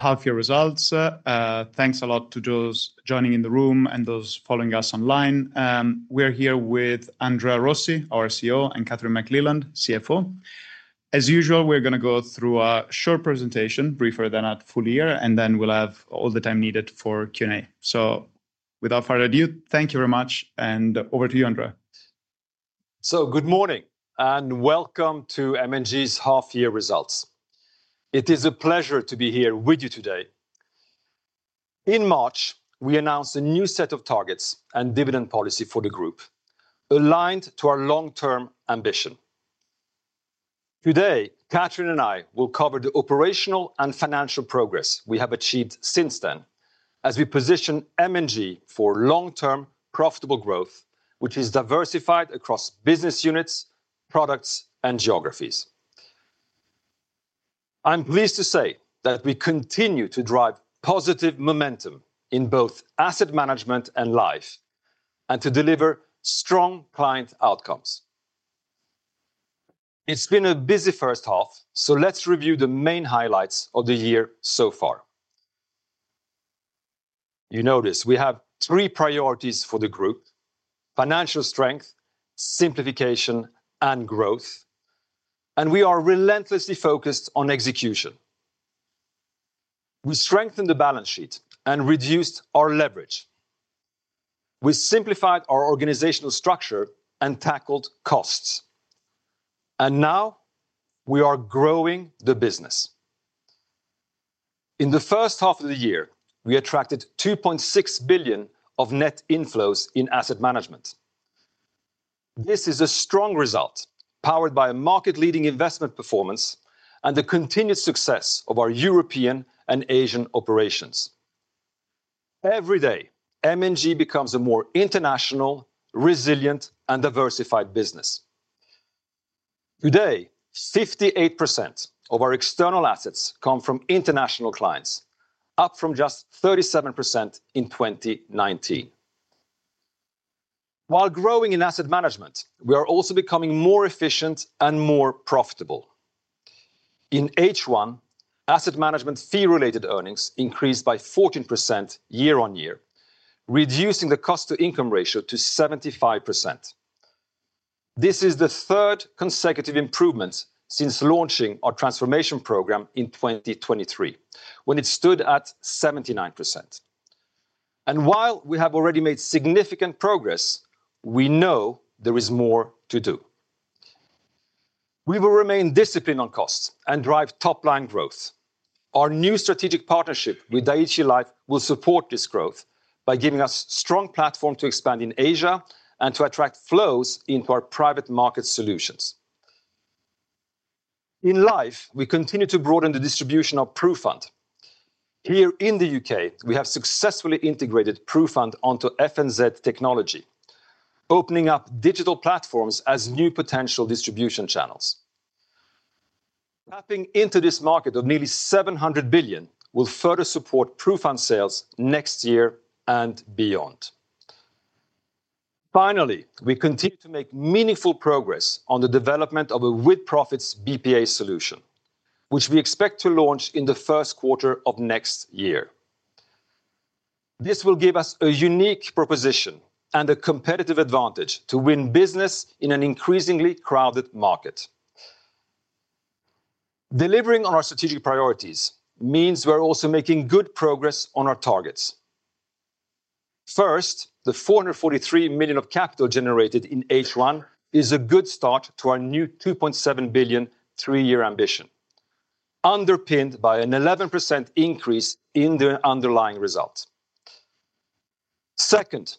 Have your results. Thanks a lot to those joining in the room and those following us online. We're here with Andrea Rossi, our CEO, and Kathryn McLeland, CFO. As usual, we're going to go through a short presentation, briefer than at full year, and then we'll have all the time needed for Q&A. Without further ado, thank you very much, and over to you, Andrea. Good morning and welcome to M&G's Half-Year Results. It is a pleasure to be here with you today. In March, we announced a new set of targets and dividend policy for the group, aligned to our long-term ambition. Today, Kathryn and I will cover the operational and financial progress we have achieved since then, as we position M&G for long-term profitable growth, which is diversified across business units, products, and geographies. I'm pleased to say that we continue to drive positive momentum in both Asset Management and Life, and to deliver strong client outcomes. It's been a busy first half, so let's review the main highlights of the year so far. You notice we have three priorities for the group: Financial Strength, Simplification, and Growth, and we are relentlessly focused on execution. We strengthened the balance sheet and reduced our leverage. We simplified our organizational structure and tackled costs. Now, we are growing the business. In the first half of the year, we attracted £2.6 billion of net inflows in Asset Management. This is a strong result, powered by market-leading investment performance and the continued success of our European and Asian operations. Every day, M&G becomes a more international, resilient, and diversified business. Today, 58% of our external assets come from international clients, up from just 37% in 2019. While growing in asset management, we are also becoming more efficient and more profitable. In H1, Asset Management fee-related earnings increased by 14% year-on-year, reducing the cost-to-income ratio to 75%. This is the third consecutive improvement since launching our Transformation Program in 2023, when it stood at 79%. While we have already made significant progress, we know there is more to do. We will remain disciplined on costs and drive top-line growth. Our new strategic partnership with Dai-ichi Life will support this growth by giving us a strong platform to expand in Asia and to attract flows into our private market solutions. In life, we continue to broaden the distribution of PruFund. Here in the U.K., we have successfully integrated PruFund onto FNZ technology, opening up digital platforms as new potential distribution channels. Tapping into this market of nearly £700 billion will further support PruFund sales next year and beyond. Finally, we continue to make meaningful progress on the development of a with-profits BPA solution, which we expect to launch in the first quarter of next year. This will give us a unique proposition and a competitive advantage to win business in an increasingly crowded market. Delivering on our strategic priorities means we're also making good progress on our targets. First, the $443 million of capital generated in H1 is a good start to our new $2.7 billion three-year ambition, underpinned by an 11% increase in the underlying result. Second,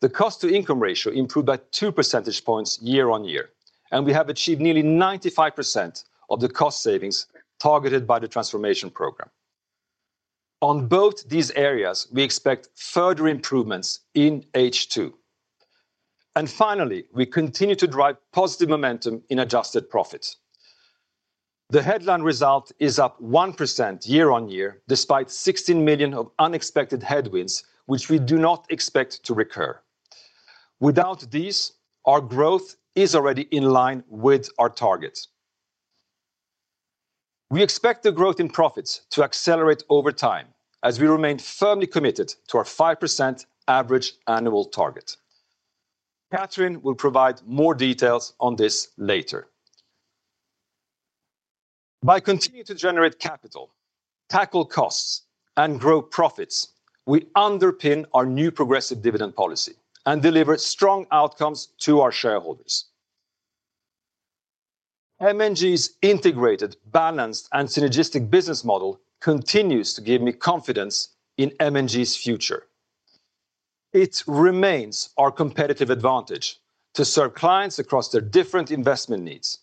the cost-to-income ratio improved by 2% year-on-year, and we have achieved nearly 95% of the cost savings targeted by the transformation program. On both these areas, we expect further improvements in H2. Finally, we continue to drive positive momentum in adjusted profits. The headline result is up 1% year-on-year, despite $16 million of unexpected headwinds, which we do not expect to recur. Without these, our growth is already in line with our target. We expect the growth in profits to accelerate over time, as we remain firmly committed to our 5% average annual target. Kathryn will provide more details on this later. By continuing to generate capital, tackle costs, and grow profits, we underpin our new progressive dividend policy and deliver strong outcomes to our shareholders. M&G's integrated, balanced, and synergistic business model continues to give me confidence in M&G's future. It remains our competitive advantage to serve clients across their different investment needs.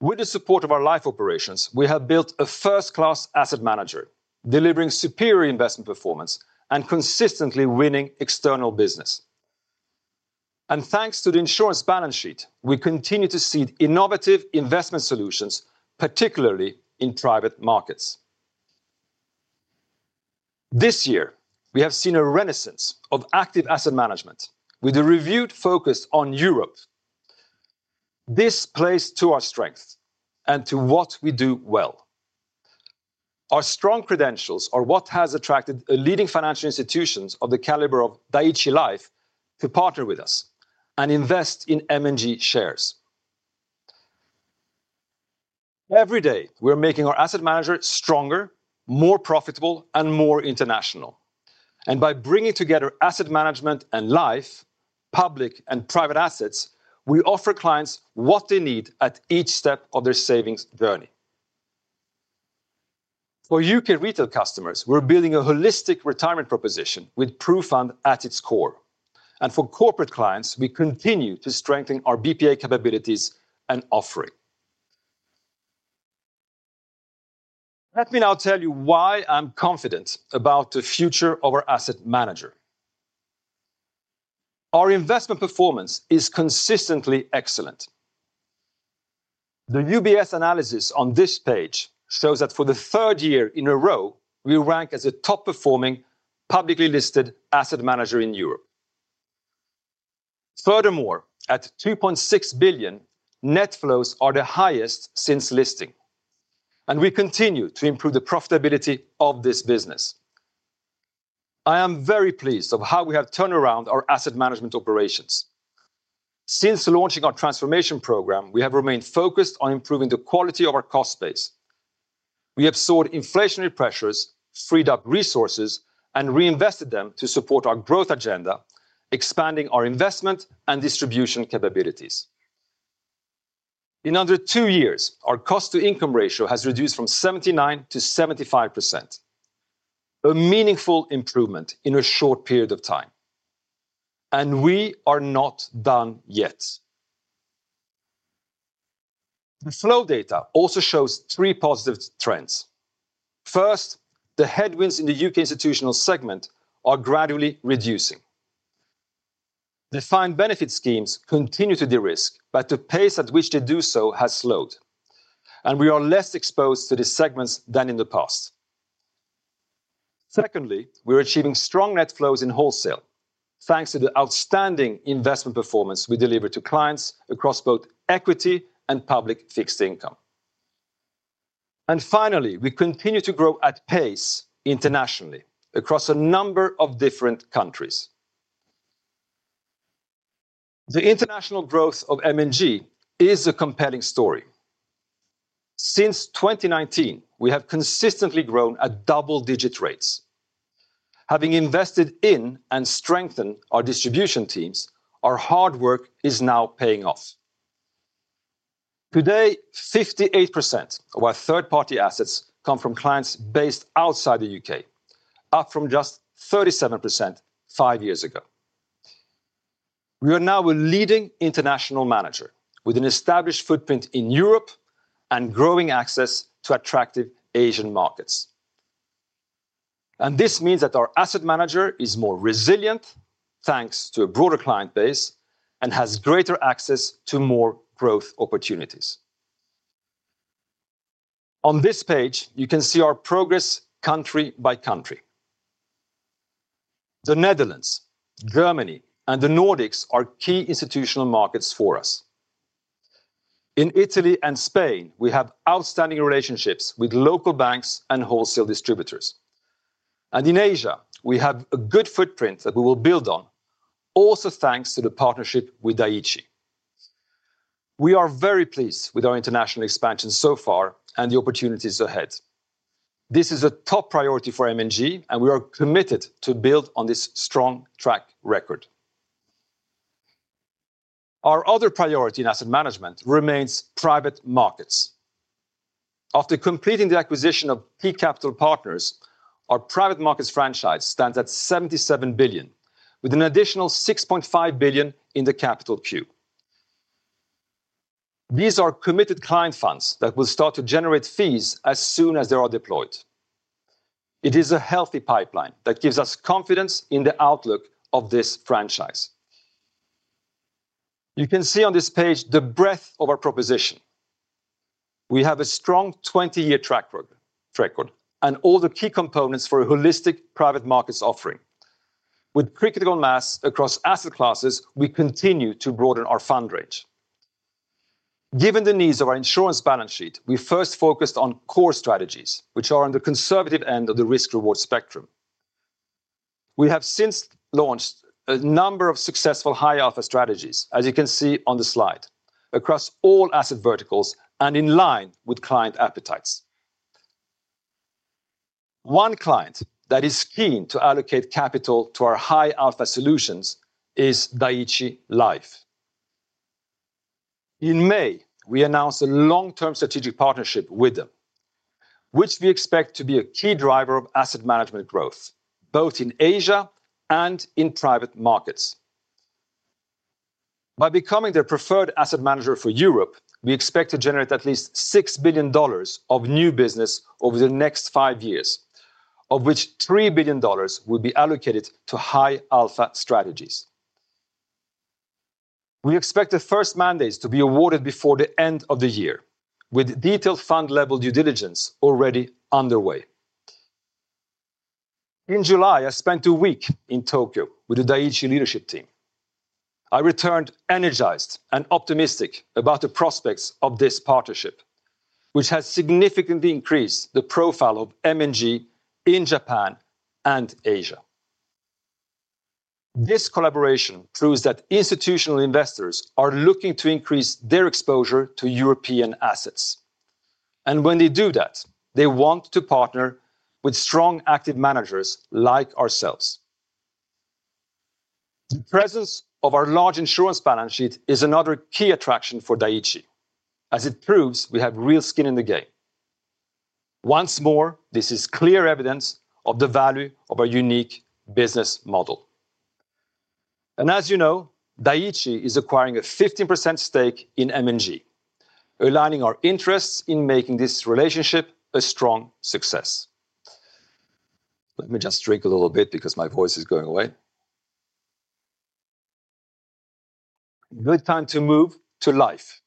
With the support of our life operations, we have built a first-class asset manager, delivering superior investment performance and consistently winning external business. Thanks to the insurance balance sheet, we continue to seed innovative investment solutions, particularly in private markets. This year, we have seen a renaissance of active asset management, with a renewed focus on Europe. This plays to our strengths and to what we do well. Our strong credentials are what has attracted leading financial institutions of the caliber of Dai-ichi Life to partner with us and invest in M&G shares. Every day, we're making our asset manager stronger, more profitable, and more international. By bringing together Asset Management and Life, public and private assets, we offer clients what they need at each step of their savings journey. For U.K. retail customers, we're building a holistic retirement proposition with PruFund at its core. For corporate clients, we continue to strengthen our BPA capabilities and offering. Let me now tell you why I'm confident about the future of our asset manager. Our investment performance is consistently excellent. The UBS analysis on this page shows that for the third year in a row, we rank as a top-performing publicly listed asset manager in Europe. Furthermore, at $2.6 billion, net flows are the highest since listing, and we continue to improve the profitability of this business. I am very pleased with how we have turned around our Asset Management operations. Since launching our transformation program, we have remained focused on improving the quality of our cost base. We have soared inflationary pressures, freed up resources, and reinvested them to support our growth agenda, expanding our investment and distribution capabilities. In under two years, our cost-to-income ratio has reduced from 79%-75%, a meaningful improvement in a short period of time. We are not done yet. The flow data also shows three positive trends. First, the headwinds in the U.K. institutional segment are gradually reducing. The defined benefit schemes continue to de-risk, but the pace at which they do so has slowed, and we are less exposed to these segments than in the past. Secondly, we're achieving strong net flows in wholesale, thanks to the outstanding investment performance we deliver to clients across both equity and public fixed income. Finally, we continue to grow at pace internationally across a number of different countries. The international growth of M&G is a compelling story. Since 2019, we have consistently grown at double-digit rates. Having invested in and strengthened our distribution teams, our hard work is now paying off. Today, 58% of our third-party assets come from clients based outside the U.K., up from just 37% five years ago. We are now a leading international manager, with an established footprint in Europe and growing access to attractive Asian markets. This means that our asset manager is more resilient, thanks to a broader client base, and has greater access to more growth opportunities. On this page, you can see our progress country by country. The Netherlands, Germany, and the Nordics are key institutional markets for us. In Italy and Spain, we have outstanding relationships with local banks and wholesale distributors. In Asia, we have a good footprint that we will build on, also thanks to the partnership with Dai-ichi. We are very pleased with our international expansion so far and the opportunities ahead. This is a top priority for M&G, and we are committed to build on this strong track record. Our other priority in Asset Management remains Private Markets. After completing the acquisition of P Capital Partners, our private markets franchise stands at $77 billion, with an additional $6.5 billion in the capital queue. These are committed client funds that will start to generate fees as soon as they are deployed. It is a healthy pipeline that gives us confidence in the outlook of this franchise. You can see on this page the breadth of our proposition. We have a strong 20-year track record and all the key components for a holistic Private Markets offering. With critical mass across asset classes, we continue to broaden our fund rate. Given the needs of our insurance balance sheet, we first focused on core strategies, which are on the conservative end of the risk-reward spectrum. We have since launched a number of successful high-alpha strategies, as you can see on the slide, across all asset verticals and in line with client appetites. One client that is keen to allocate capital to our high-alpha solutions is Dai-ichi Life. In May, we announced a long-term strategic partnership with them, which we expect to be a key driver of asset management growth, both in Asia and in private markets. By becoming their preferred asset manager for Europe, we expect to generate at least $6 billion of new business over the next five years, of which $3 billion will be allocated to high-alpha strategies. We expect the first mandates to be awarded before the end of the year, with detailed fund-level due diligence already underway. In July, I spent a week in Tokyo with the Dai-ichi leadership team. I returned energized and optimistic about the prospects of this partnership, which has significantly increased the profile of M&G in Japan and Asia. This collaboration proves that institutional investors are looking to increase their exposure to European assets. When they do that, they want to partner with strong active managers like ourselves. The presence of our large insurance balance sheet is another key attraction for Dai-ichi, as it proves we have real skin in the game. Once more, this is clear evidence of the value of our unique business model. As you know, Dai-ichi is acquiring a 15% stake in M&G, aligning our interests in making this relationship a strong success. Let me just drink a little bit because my voice is going away. Good time to move to life.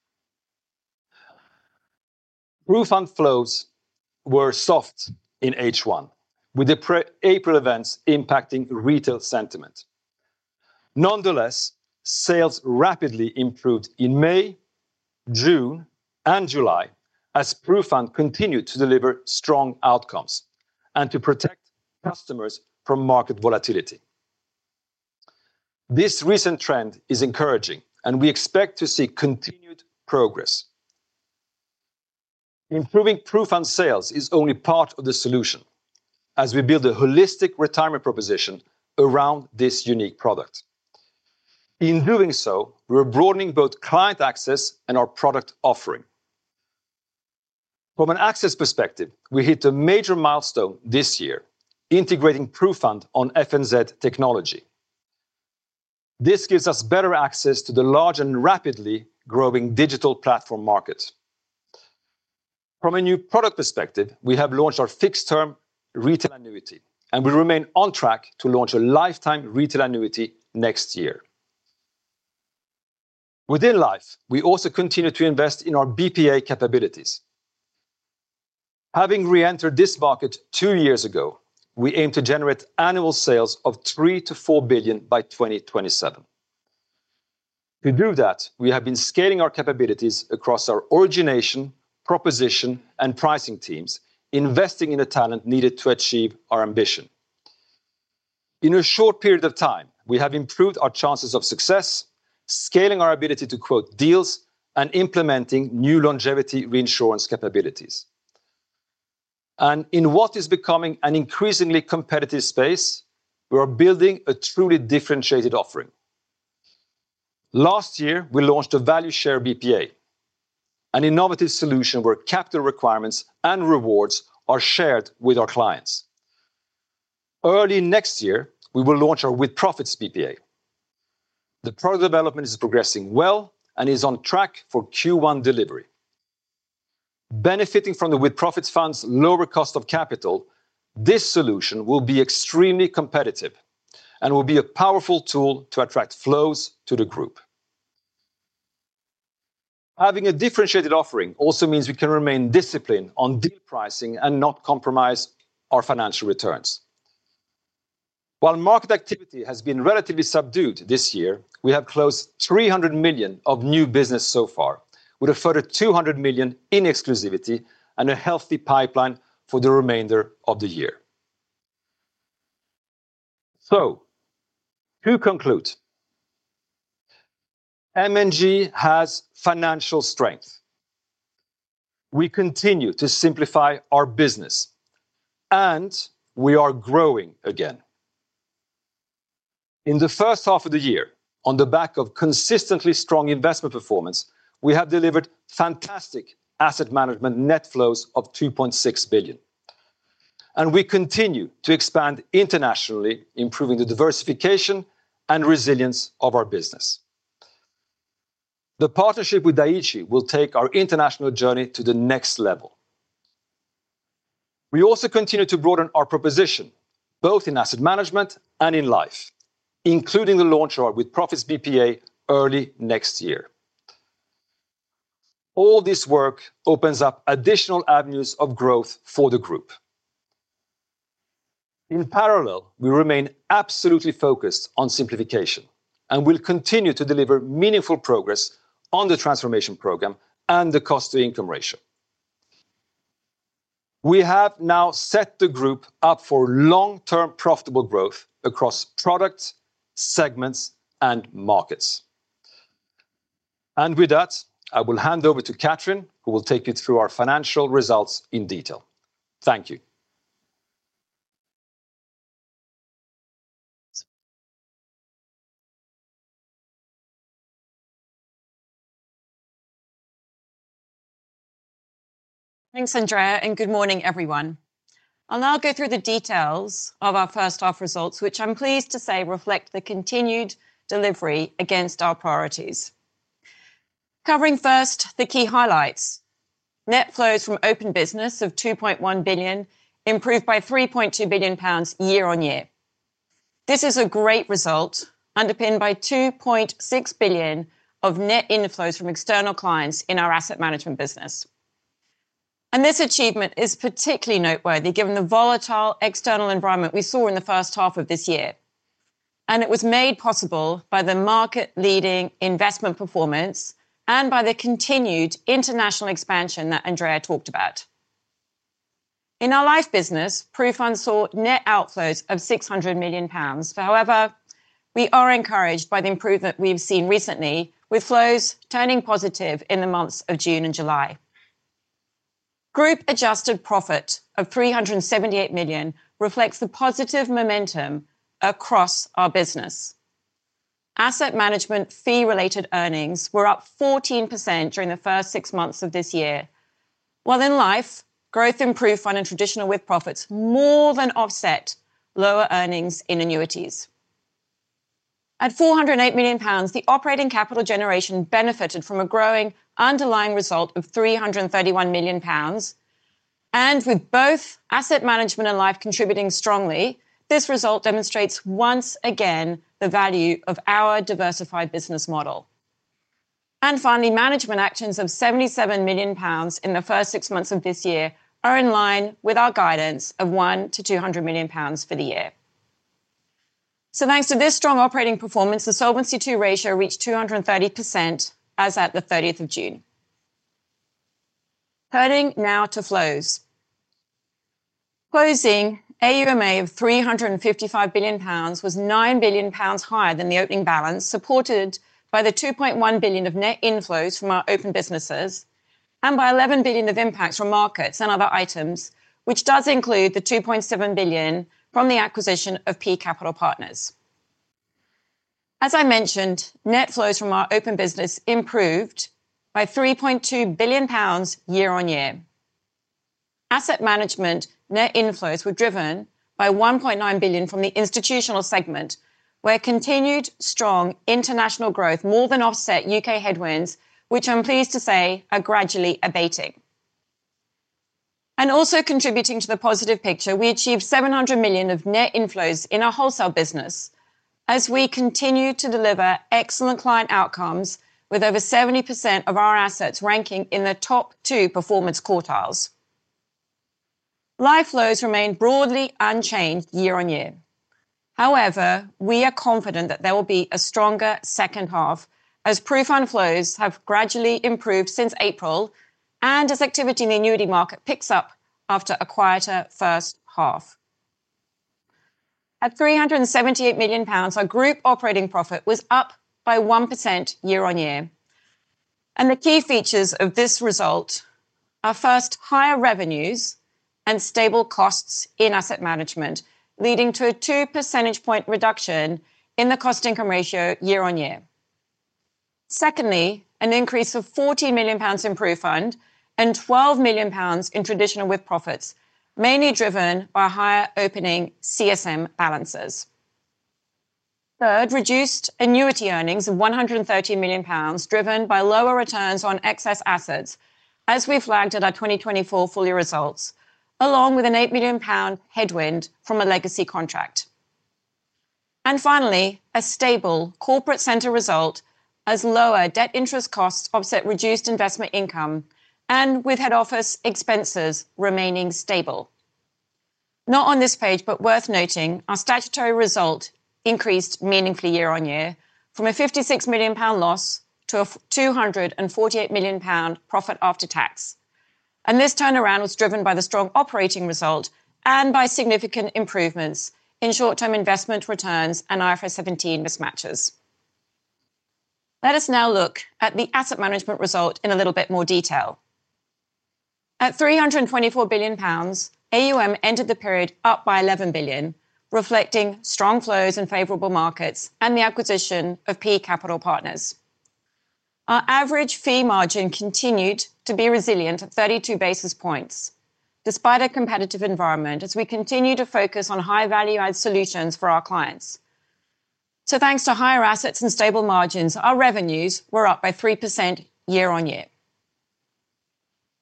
PruFund flows were soft in H1, with the April events impacting retail sentiment. Nonetheless, sales rapidly improved in May, June, and July, as PruFund continued to deliver strong outcomes and to protect customers from market volatility. This recent trend is encouraging, and we expect to see continued progress. Improving PruFund sales is only part of the solution, as we build a holistic retirement proposition around this unique product. In doing so, we're broadening both client access and our product offering. From an access perspective, we hit a major milestone this year, integrating PruFund on FNZ technology. This gives us better access to the large and rapidly growing digital platform market. From a new product perspective, we have launched our fixed-term retail annuity, and we remain on track to launch a lifetime retail annuity next year. Within life, we also continue to invest in our BPA capabilities. Having reentered this market two years ago, we aim to generate annual sales of $3 billion-$4 billion by 2027. To do that, we have been scaling our capabilities across our origination, proposition, and pricing teams, investing in the talent needed to achieve our ambition. In a short period of time, we have improved our chances of success, scaling our ability to quote deals, and implementing new longevity reinsurance capabilities. In what is becoming an increasingly competitive space, we are building a truly differentiated offering. Last year, we launched a value share BPA, an innovative solution where capital requirements and rewards are shared with our clients. Early next year, we will launch our With-Profits BPA. The product development is progressing well and is on track for Q1 delivery. Benefiting from the With-Profits Fund's lower cost of capital, this solution will be extremely competitive and will be a powerful tool to attract flows to the group. Having a differentiated offering also means we can remain disciplined on deal pricing and not compromise our financial returns. While market activity has been relatively subdued this year, we have closed $300 million of new business so far, with a further $200 million in exclusivity and a healthy pipeline for the remainder of the year. To conclude, M&G has financial strength. We continue to simplify our business, and we are growing again. In the first half of the year, on the back of consistently strong investment performance, we have delivered fantastic Asset Mangement net flows of $2.6 billion. We continue to expand internationally, improving the diversification and resilience of our business. The partnership with Dai-ichi will take our international journey to the next level. We also continue to broaden our proposition, both in Asset Management and in Life, including the launch of our With-Profits BPA early next year. All this work opens up additional avenues of growth for the group. In parallel, we remain absolutely focused on simplification, and we'll continue to deliver meaningful progress on the transformation program and the cost-to-income ratio. We have now set the group up for long-term profitable growth across products, segments, and markets. With that, I will hand over to Kathryn, who will take you through our financial results in detail. Thank you. Thanks, Andrea, and good morning, everyone. I'll now go through the details of our first-half results, which I'm pleased to say reflect the continued delivery against our priorities. Covering first the key highlights: net flows from open business of £2.1 billion, improved by £3.2 billion year-on-year. This is a great result, underpinned by £2.6 billion of net inflows from external clients in our Asset Management business. This achievement is particularly noteworthy given the volatile external environment we saw in the first half of this year. It was made possible by the market-leading investment performance and by the continued international expansion that Andrea talked about. In our Life business, PruFund saw net outflows of £600 million. However, we are encouraged by the improvement we've seen recently, with flows turning positive in the months of June and July. Group-adjusted profit of £378 million reflects the positive momentum across our business. Asset management fee-related earnings were up 14% during the first six months of this year, while in Life, growth in traditional with-profits more than offset lower earnings in annuities. At £408 million, the operating capital generation benefited from a growing underlying result of £331 million. With both Asset Management and Life contributing strongly, this result demonstrates once again the value of our diversified business model. Finally, management actions of £77 million in the first six months of this year are in line with our guidance of £100 million to £200 million for the year. Thanks to this strong operating performance, the Solvency II ratio reached 230% as at the 30th of June. Turning now to flows. Closing AUM of £355 billion was £9 billion higher than the opening balance, supported by the £2.1 billion of net inflows from our open businesses and by £11 billion of impacts from markets and other items, which does include the £2.7 billion from the acquisition of P Capital Partners. As I mentioned, net flows from our open business improved by £3.2 billion year-on-year. Asset management net inflows were driven by £1.9 billion from the institutional segment, where continued strong international growth more than offset U.K. headwinds, which I'm pleased to say are gradually abating. Also contributing to the positive picture, we achieved $700 million of net inflows in our wholesale business, as we continue to deliver excellent client outcomes, with over 70% of our assets ranking in the top-two performance quartiles. Life flows remain broadly unchanged year-on-year. However, we are confident that there will be a stronger second half, as PruFund flows have gradually improved since April and as activity in the annuity market picks up after a quieter first half. At $378 million, our Group operating profit was up by 1% year-on-year. The key features of this result are first, higher revenues and stable costs in asset management, leading to a 2% reduction in the cost-to-income ratio year-on-year. Second, an increase of $14 million in PruFund and $12 million in traditional with-profits, mainly driven by higher opening CSM balances. Third, reduced annuity earnings of $130 million, driven by lower returns on excess assets, as we flagged in our 2024 full-year results, along with an $8 million headwind from a legacy contract. Finally, a stable corporate center result, as lower debt interest costs offset reduced investment income, with head office expenses remaining stable. Not on this page, but worth noting, our statutory result increased meaningfully year-on-year from a $56 million loss to a $248 million profit after tax. This turnaround was driven by the strong operating result and by significant improvements in short-term investment returns and IFRS 17 mismatches. Let us now look at the Asset Management result in a little bit more detail. At $324 billion, AUM entered the period up by $11 billion, reflecting strong flows in favorable markets and the acquisition of P Capital Partners. Our average fee margin continued to be resilient at 32 basis points, despite a competitive environment, as we continue to focus on high-value-add solutions for our clients. Thanks to higher assets and stable margins, our revenues were up by 3% year-on-year.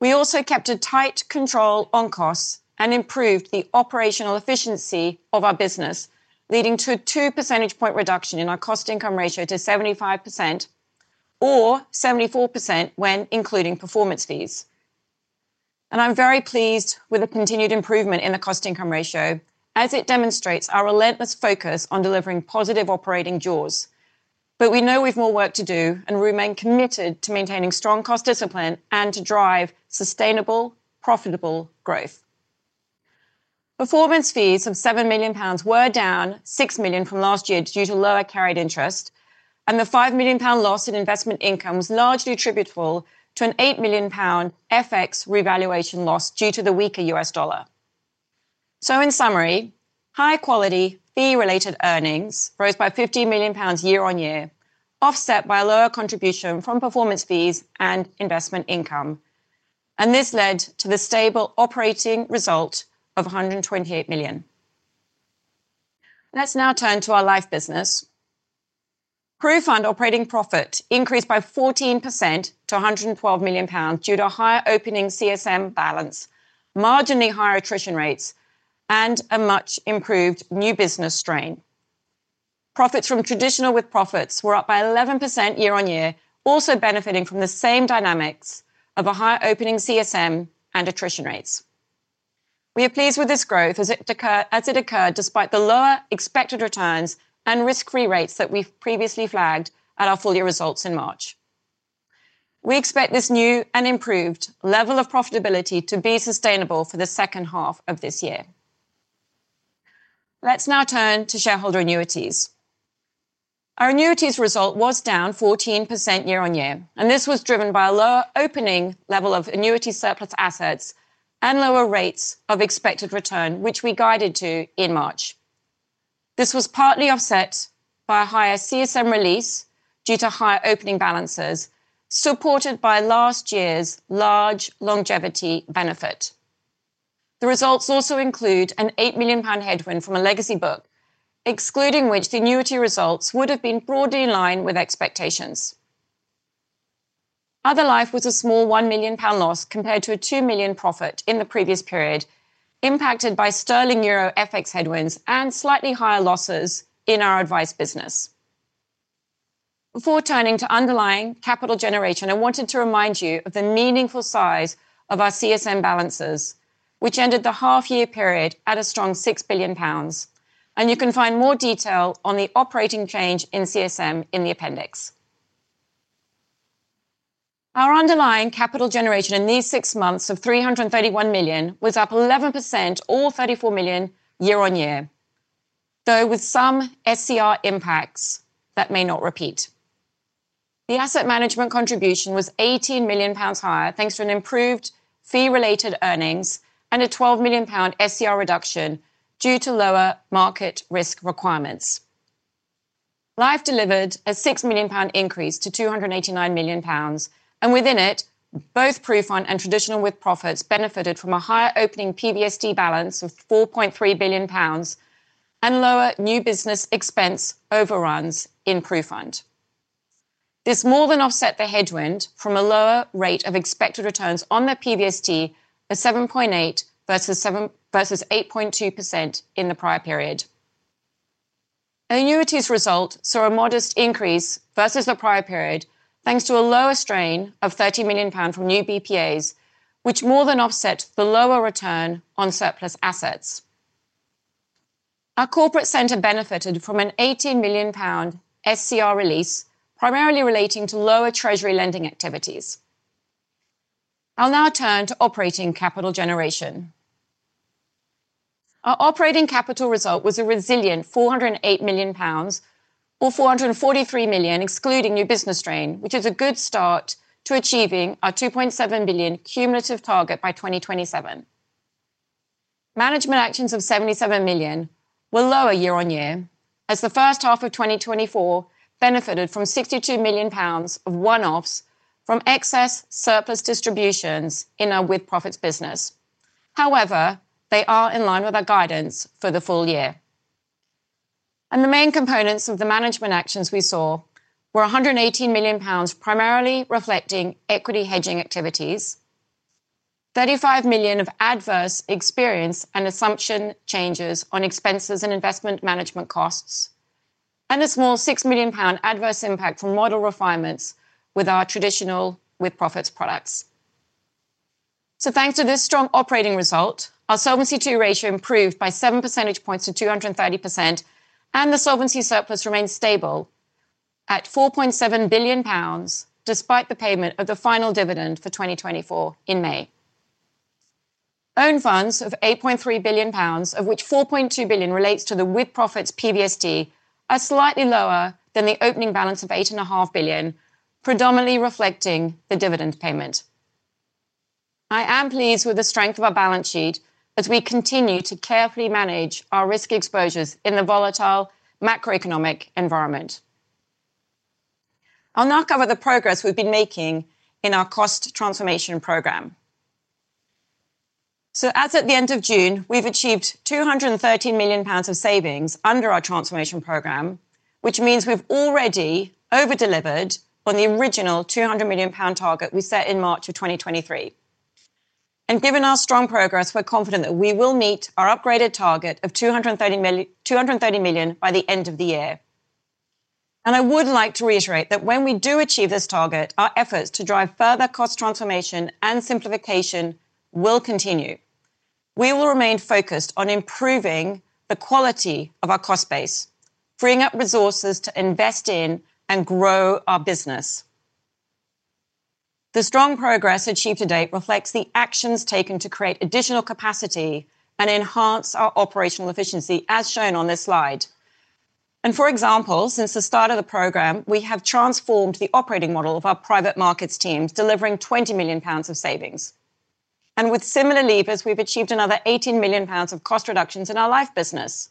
We also kept a tight control on costs and improved the operational efficiency of our business, leading to a 2% reduction in our cost-to-income ratio to 75%, or 74% when including performance fees. I am very pleased with the continued improvement in the cost-to-income ratio, as it demonstrates our relentless focus on delivering positive operating jaws. We know we have more work to do and remain committed to maintaining strong cost discipline and to drive sustainable, profitable growth. Performance fees of $7 million were down $6 million from last year due to lower carried interest, and the $5 million loss in investment income was largely attributable to an $8 million FX revaluation loss due to the weaker U.S. dollar. In summary, high-quality fee-related earnings rose by $15 million year-on-year, offset by a lower contribution from performance fees and investment income. This led to the stable operating result of $128 million. Let's now turn to our Life business. PruFund operating profit increased by 14% to $112 million due to a higher opening CSM balance, marginally higher attrition rates, and a much improved new business strain. Profits from traditional with-profits were up by 11% year-on-year, also benefiting from the same dynamics of a higher opening CSM and attrition rates. We are pleased with this growth, as it occurred despite the lower expected returns and risk-free rates that we previously flagged at our full year results in March. We expect this new and improved level of profitability to be sustainable for the second half of this year. Let's now turn to shareholder annuities. Our annuities result was down 14% year-on-year, and this was driven by a lower opening level of annuity surplus assets and lower rates of expected return, which we guided to in March. This was partly offset by a higher CSM release due to higher opening balances, supported by last year's large longevity benefit. The results also include an £8 million headwind from a legacy book, excluding which the annuity results would have been broadly in line with expectations. Other life was a small £1 million loss compared to a £2 million profit in the previous period, impacted by sterling euro FX headwinds and slightly higher losses in our advice business. Before turning to underlying capital generation, I wanted to remind you of the meaningful size of our CSM balances, which ended the half-year period at a strong £6 billion. You can find more detail on the Operating change in CSM in the appendix. Our underlying capital generation in these six months of £331 million was up 11%, or £34 million year-on-year, though with some SCR impacts that may not repeat. The Asset Management contribution was £18 million higher, thanks to improved fee-related earnings and a £12 million SCR reduction due to lower market risk requirements. Life delivered a £6 million increase to £289 million, and within it, both PruFund and traditional with-profits benefited from a higher opening PBSD balance of £4.3 billion and lower new business expense overruns in PruFund. This more than offset the headwind from a lower rate of expected returns on the PBSD of 7.8% versus 8.2% in the prior period. Annuities result saw a modest increase versus the prior period, thanks to a lower strain of £30 million from new bulk purchase annuities, which more than offset the lower return on surplus assets. Our corporate center benefited from an £18 million SCR release, primarily relating to lower Treasury lending activities. I'll now turn to operating capital generation. Our operating capital result was a resilient £408 million, or £443 million, excluding new business strain, which is a good start to achieving our £2.7 billion cumulative target by 2027. Management actions of £77 million were lower year-on-year, as the first half of 2024 benefited from £62 million of one-offs from excess surplus distributions in our with-profits business. They are in line with our guidance for the full year. The main components of the management actions we saw were £118 million primarily reflecting equity hedging activities, £35 million of adverse experience and assumption changes on expenses and investment management costs, and a small £6 million adverse impact from model refinements with our traditional with-profits products. Thanks to this strong operating result, our Solvency II ratio improved by seven percentage points to 230%, and the solvency surplus remained stable at £4.7 billion, despite the payment of the final dividend for 2024 in May. Owned funds of £8.3 billion, of which £4.2 billion relates to the with-profits PBSD, are slightly lower than the opening balance of £8.5 billion, predominantly reflecting the dividend payment. I am pleased with the strength of our balance sheet, as we continue to carefully manage our risk exposures in the volatile macroeconomic environment. I'll now cover the progress we've been making in our cost transformation program. As at the end of June, we've achieved £213 million of savings under our transformation program, which means we've already overdelivered on the original £200 million target we set in March of 2023. Given our strong progress, we're confident that we will meet our upgraded target of £230 million by the end of the year. I would like to reiterate that when we do achieve this target, our efforts to drive further cost transformation and simplification will continue. We will remain focused on improving the quality of our cost base, freeing up resources to invest in and grow our business. The strong progress achieved to date reflects the actions taken to create additional capacity and enhance our operational efficiency, as shown on this slide. For example, since the start of the program, we have transformed the operating model of our private markets teams, delivering £20 million of savings. With similar levers, we've achieved another £18 million of cost reductions in our Life business.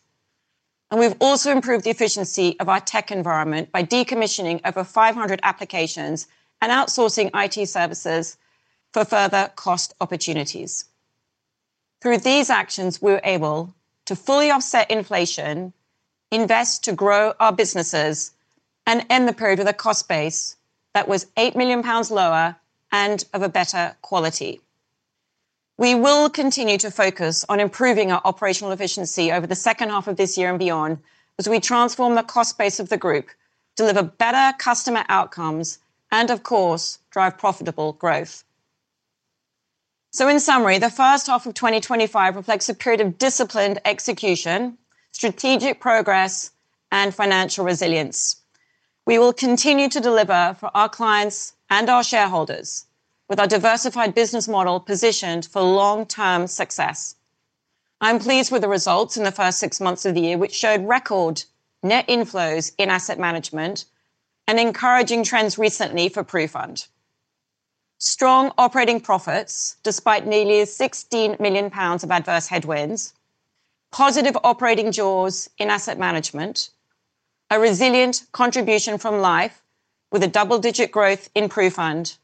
We've also improved the efficiency of our tech environment by decommissioning over 500 applications and outsourcing IT services for further cost opportunities. Through these actions, we were able to fully offset inflation, invest to grow our businesses, and end the period with a cost base that was £8 million lower and of a better quality. We will continue to focus on improving our operational efficiency over the second half of this year and beyond as we transform the cost base of the group, deliver better customer outcomes, and, of course, drive profitable growth. In summary, the first half of 2025 reflects a period of disciplined execution, strategic progress, and financial resilience. We will continue to deliver for our clients and our shareholders, with our diversified business model positioned for long-term success. I'm pleased with the results in the first six months of the year, which showed record net inflows in asset management and encouraging trends recently for PruFund. Strong operating profits, despite nearly £16 million of adverse headwinds, positive operating jaws in Asset Management, a resilient contribution from life with double-digit growth in PruFund,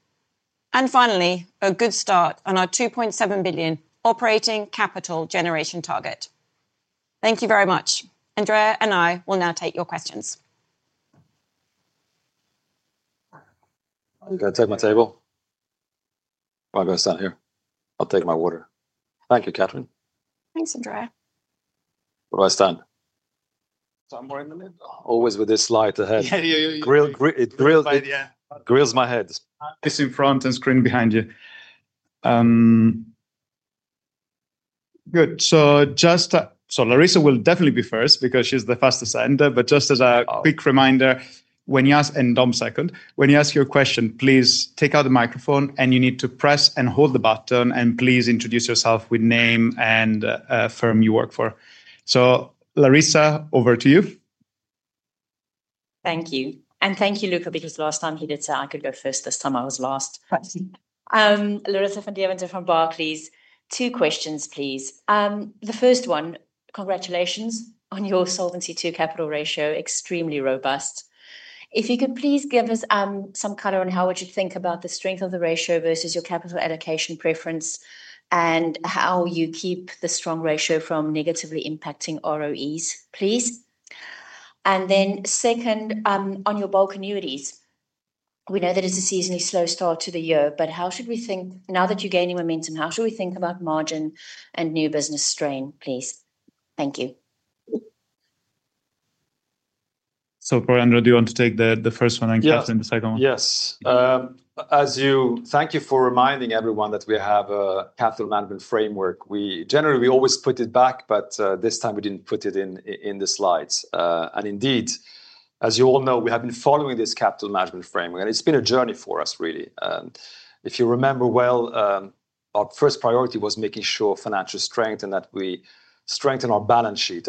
and finally, a good start on our £2.7 billion operating capital generation target. Thank you very much. Andrea and I will now take your questions. I'm going to take my table. I'll go stand here. I'll take my water. Thank you, Kathryn. Thanks, Andrea. Bye-bye, stand. Time frame limit? Always with this slide to head. It grills my head. This in front and screen behind you. Good. Larissa will definetely be first. Just as a quick reminder, when you ask and Dom second, when you ask your question, please take out the microphone and you need to press and hold the button and please introduce yourself with name and firm you work for. Larissa, over to you. Thank you. Thank you, Luca, because the last time he did say I could go first, this time I was last. Larissa Van Deventer from Barclays, two questions, please. The first one, congratulations on your Solvency II capital ratio, extremely robust. If you could please give us some color on how we should think about the strength of the ratio versus your capital allocation preference and how you keep the strong ratio from negatively impacting ROEs, please. The second, on your bulk annuities, we know that it's a seasonally slow start to the year, but how should we think now that you're gaining momentum, how should we think about margin and new business strain, please? Thank you. Andrea, do you want to take the first one and Kathryn the second one? Yes. Thank you for reminding everyone that we have a Capital Management Framework. We generally always put it back, but this time we didn't put it in the slides. Indeed, as you all know, we have been following this Capital Management Framework and it's been a journey for us, really. If you remember well, our first priority was making sure financial strength and that we strengthen our balance sheet.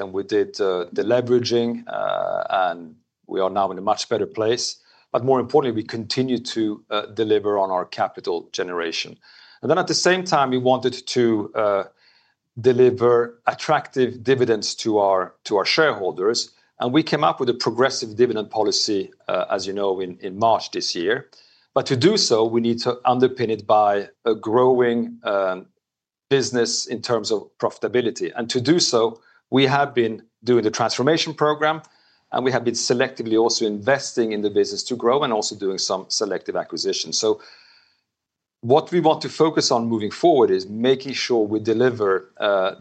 We did the leveraging and we are now in a much better place. More importantly, we continue to deliver on our capital generation. At the same time, we wanted to deliver attractive dividends to our shareholders. We came up with a progressive dividend policy, as you know, in March this year. To do so, we need to underpin it by a growing business in terms of profitability. To do so, we have been doing the transformation program and we have been selectively also investing in the business to grow and also doing some selective acquisitions. What we want to focus on moving forward is making sure we deliver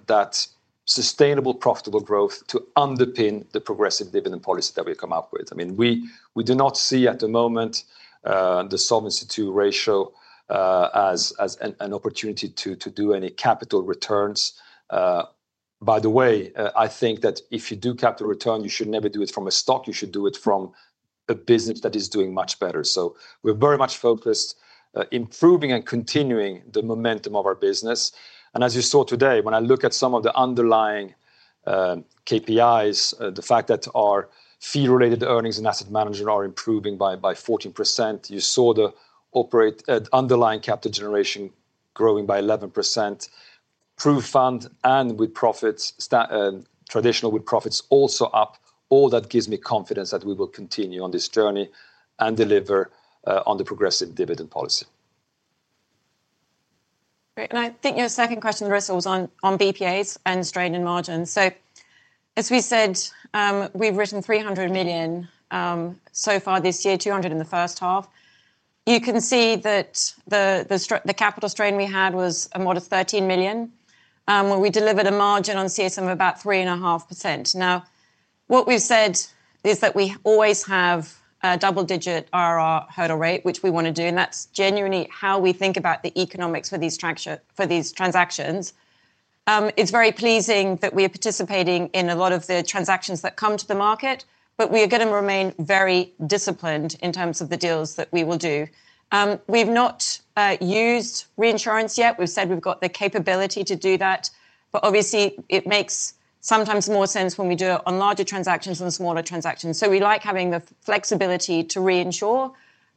that sustainable, profitable growth to underpin the progressive dividend policy that we've come up with. I mean, we do not see at the moment the Solvency II ratio as an opportunity to do any capital returns. By the way, I think that if you do capital return, you should never do it from a stock. You should do it from a business that is doing much better. We're very much focused on improving and continuing the momentum of our business. As you saw today, when I look at some of the underlying KPIs, the fact that our fee-related eanings and Asset Management are improving by 14%, you saw the underlying capital generation growing by 11%. PruFund and with-profits, traditional with-profits also up. All that gives me confidence that we will continue on this journey and deliver on the progressive dividend policy. Great. I think your second question, Larissa, was on BPAs and strain and margins. As we said, we've written £300 million so far this year, £200 million in the first half. You can see that the capital strain we had was a modest £13 million, where we delivered a margin on CSM of about 3.5%. What we've said is that we always have a double-digit IRR hurdle rate, which we want to do, and that's genuinely how we think about the economics for these transactions. It is very pleasing that we are participating in a lot of the transactions that come to market. We are going to remain very disciplined in terms of the deals that we will do. We've not used reinsurance yet. We've said we've got the capability to do that, but obviously, it makes sometimes more sense when we do it on larger transactions than smaller transactions. We like having the flexibility to reinsure,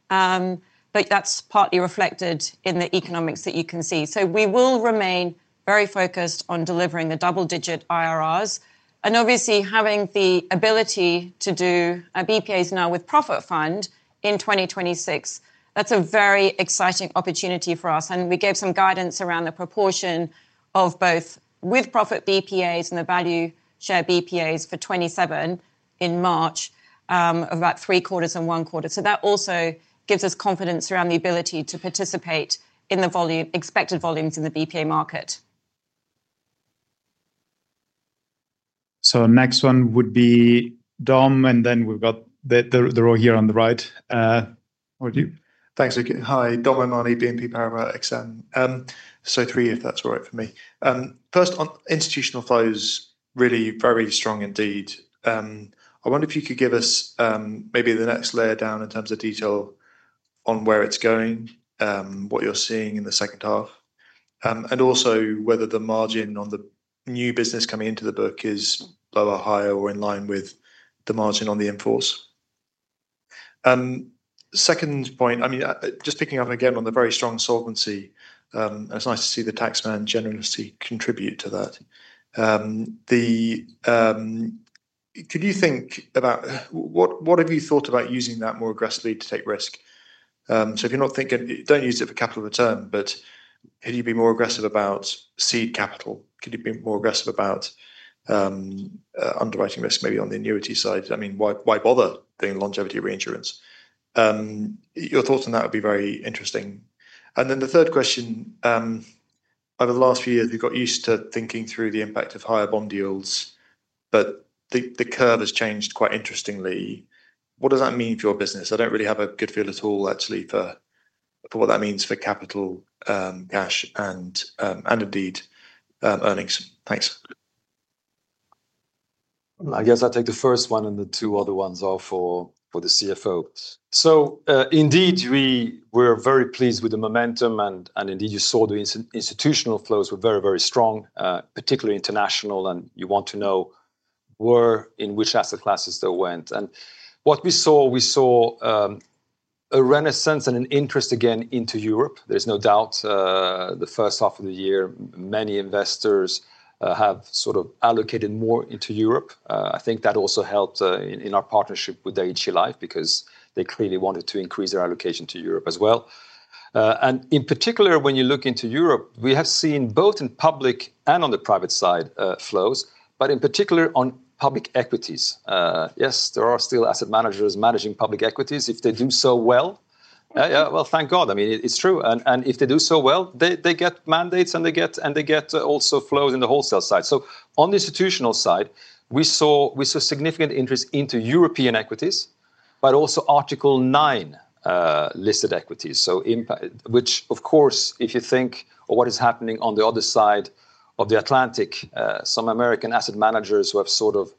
but that's partly reflected in the economics that you can see. We will remain very focused on delivering the double-digit IRRs. Obviously, having the ability to do BPAs now with-profits fund in 2026, that's a very exciting opportunity for us. We gave some guidance around the proportion of both with-profits BPAs and the value share BPAs for 2027 in March of about three quarters and one quarter. That also gives us confidence around the ability to participate in the expected volumes in the BPA market. Next one would be Dom, and then we've got the row here on the right. Thanks. Hi, Dom. I'm on EBNP Paramount XM. Three years, that's right for me. First, on institutional flows, really very strong indeed. I wonder if you could give us maybe the next layer down in terms of detail on where it's going, what you're seeing in the second half, and also whether the margin on the new business coming into the book is lower, higher, or in line with the margin on the in force. Second point, just picking up again on the very strong solvency, and it's nice to see the tax man generously contribute to that. Can you think about what have you thought about using that more aggressively to take risk? If you're not thinking, don't use it for capital return, but could you be more aggressive about seed capital? Could you be more aggressive about underwriting risk maybe on the annuity side? Why bother doing longevity reinsurance? Your thoughts on that would be very interesting. The third question, over the last few years, we've got used to thinking through the impact of higher bond yields, but the curve has changed quite interestingly. What does that mean for your business? I don't really have a good feel at all, actually, for what that means for capital, cash, and indeed earnings. Thanks. I guess I'll take the first one, and the two other ones are for the CFO. Indeed, we were very pleased with the momentum, and indeed, you saw the institutional flows were very, very strong, particularly international, and you want to know in which asset classes they went. What we saw, we saw a renaissance and an interest again into Europe. There's no doubt the first half of the year, many investors have sort of allocated more into Europe. I think that also helped in our partnership with Dai-ichi Life because they clearly wanted to increase their allocation to Europe as well. In particular, when you look into Europe, we have seen both in public and on the private side flows, but in particular on public equities. Yes, there are still asset managers managing public equities. If they do so well, yeah, thank God. I mean, it's true. If they do so well, they get mandates and they get also flows in the wholesale side. On the institutional side, we saw significant interest into European equities, but also Article 9 listed equities, which, of course, if you think of what is happening on the other side of the Atlantic, some American asset managers who have sort of,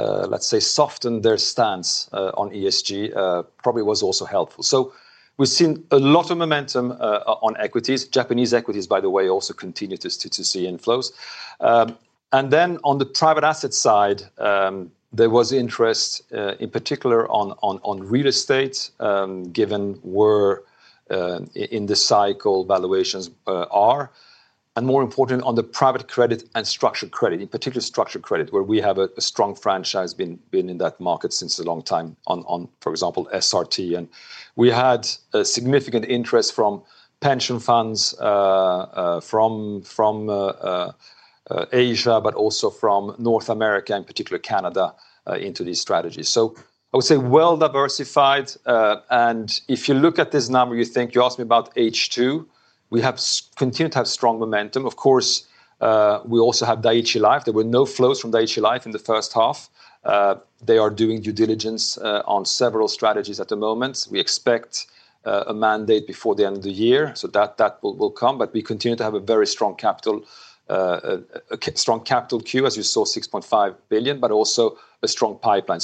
let's say, softened their stance on ESG, probably was also helpful. We've seen a lot of momentum on equities. Japanese equities, by the way, also continue to see inflows. On the private asset side, there was interest in particular on real estate, given where in the cycle valuations are, and more importantly, on the private credit and structured credit, in particular structured credit, where we have a strong franchise, been in that market since a long time on, for example, SRT. We had significant interest from pension funds, from Asia, but also from North America, in particular Canada, into these strategies. I would say well diversified. If you look at this number, you think you asked me about H2, we continue to have strong momentum. Of course, we also have Dai-ichi Life. There were no flows from Dai-ichi Life in the first half. They are doing due diligence on several strategies at the moment. We expect a mandate before the end of the year, so that will come. We continue to have a very strong capital queue, as you saw, £6.5 billion, but also a strong pipeline.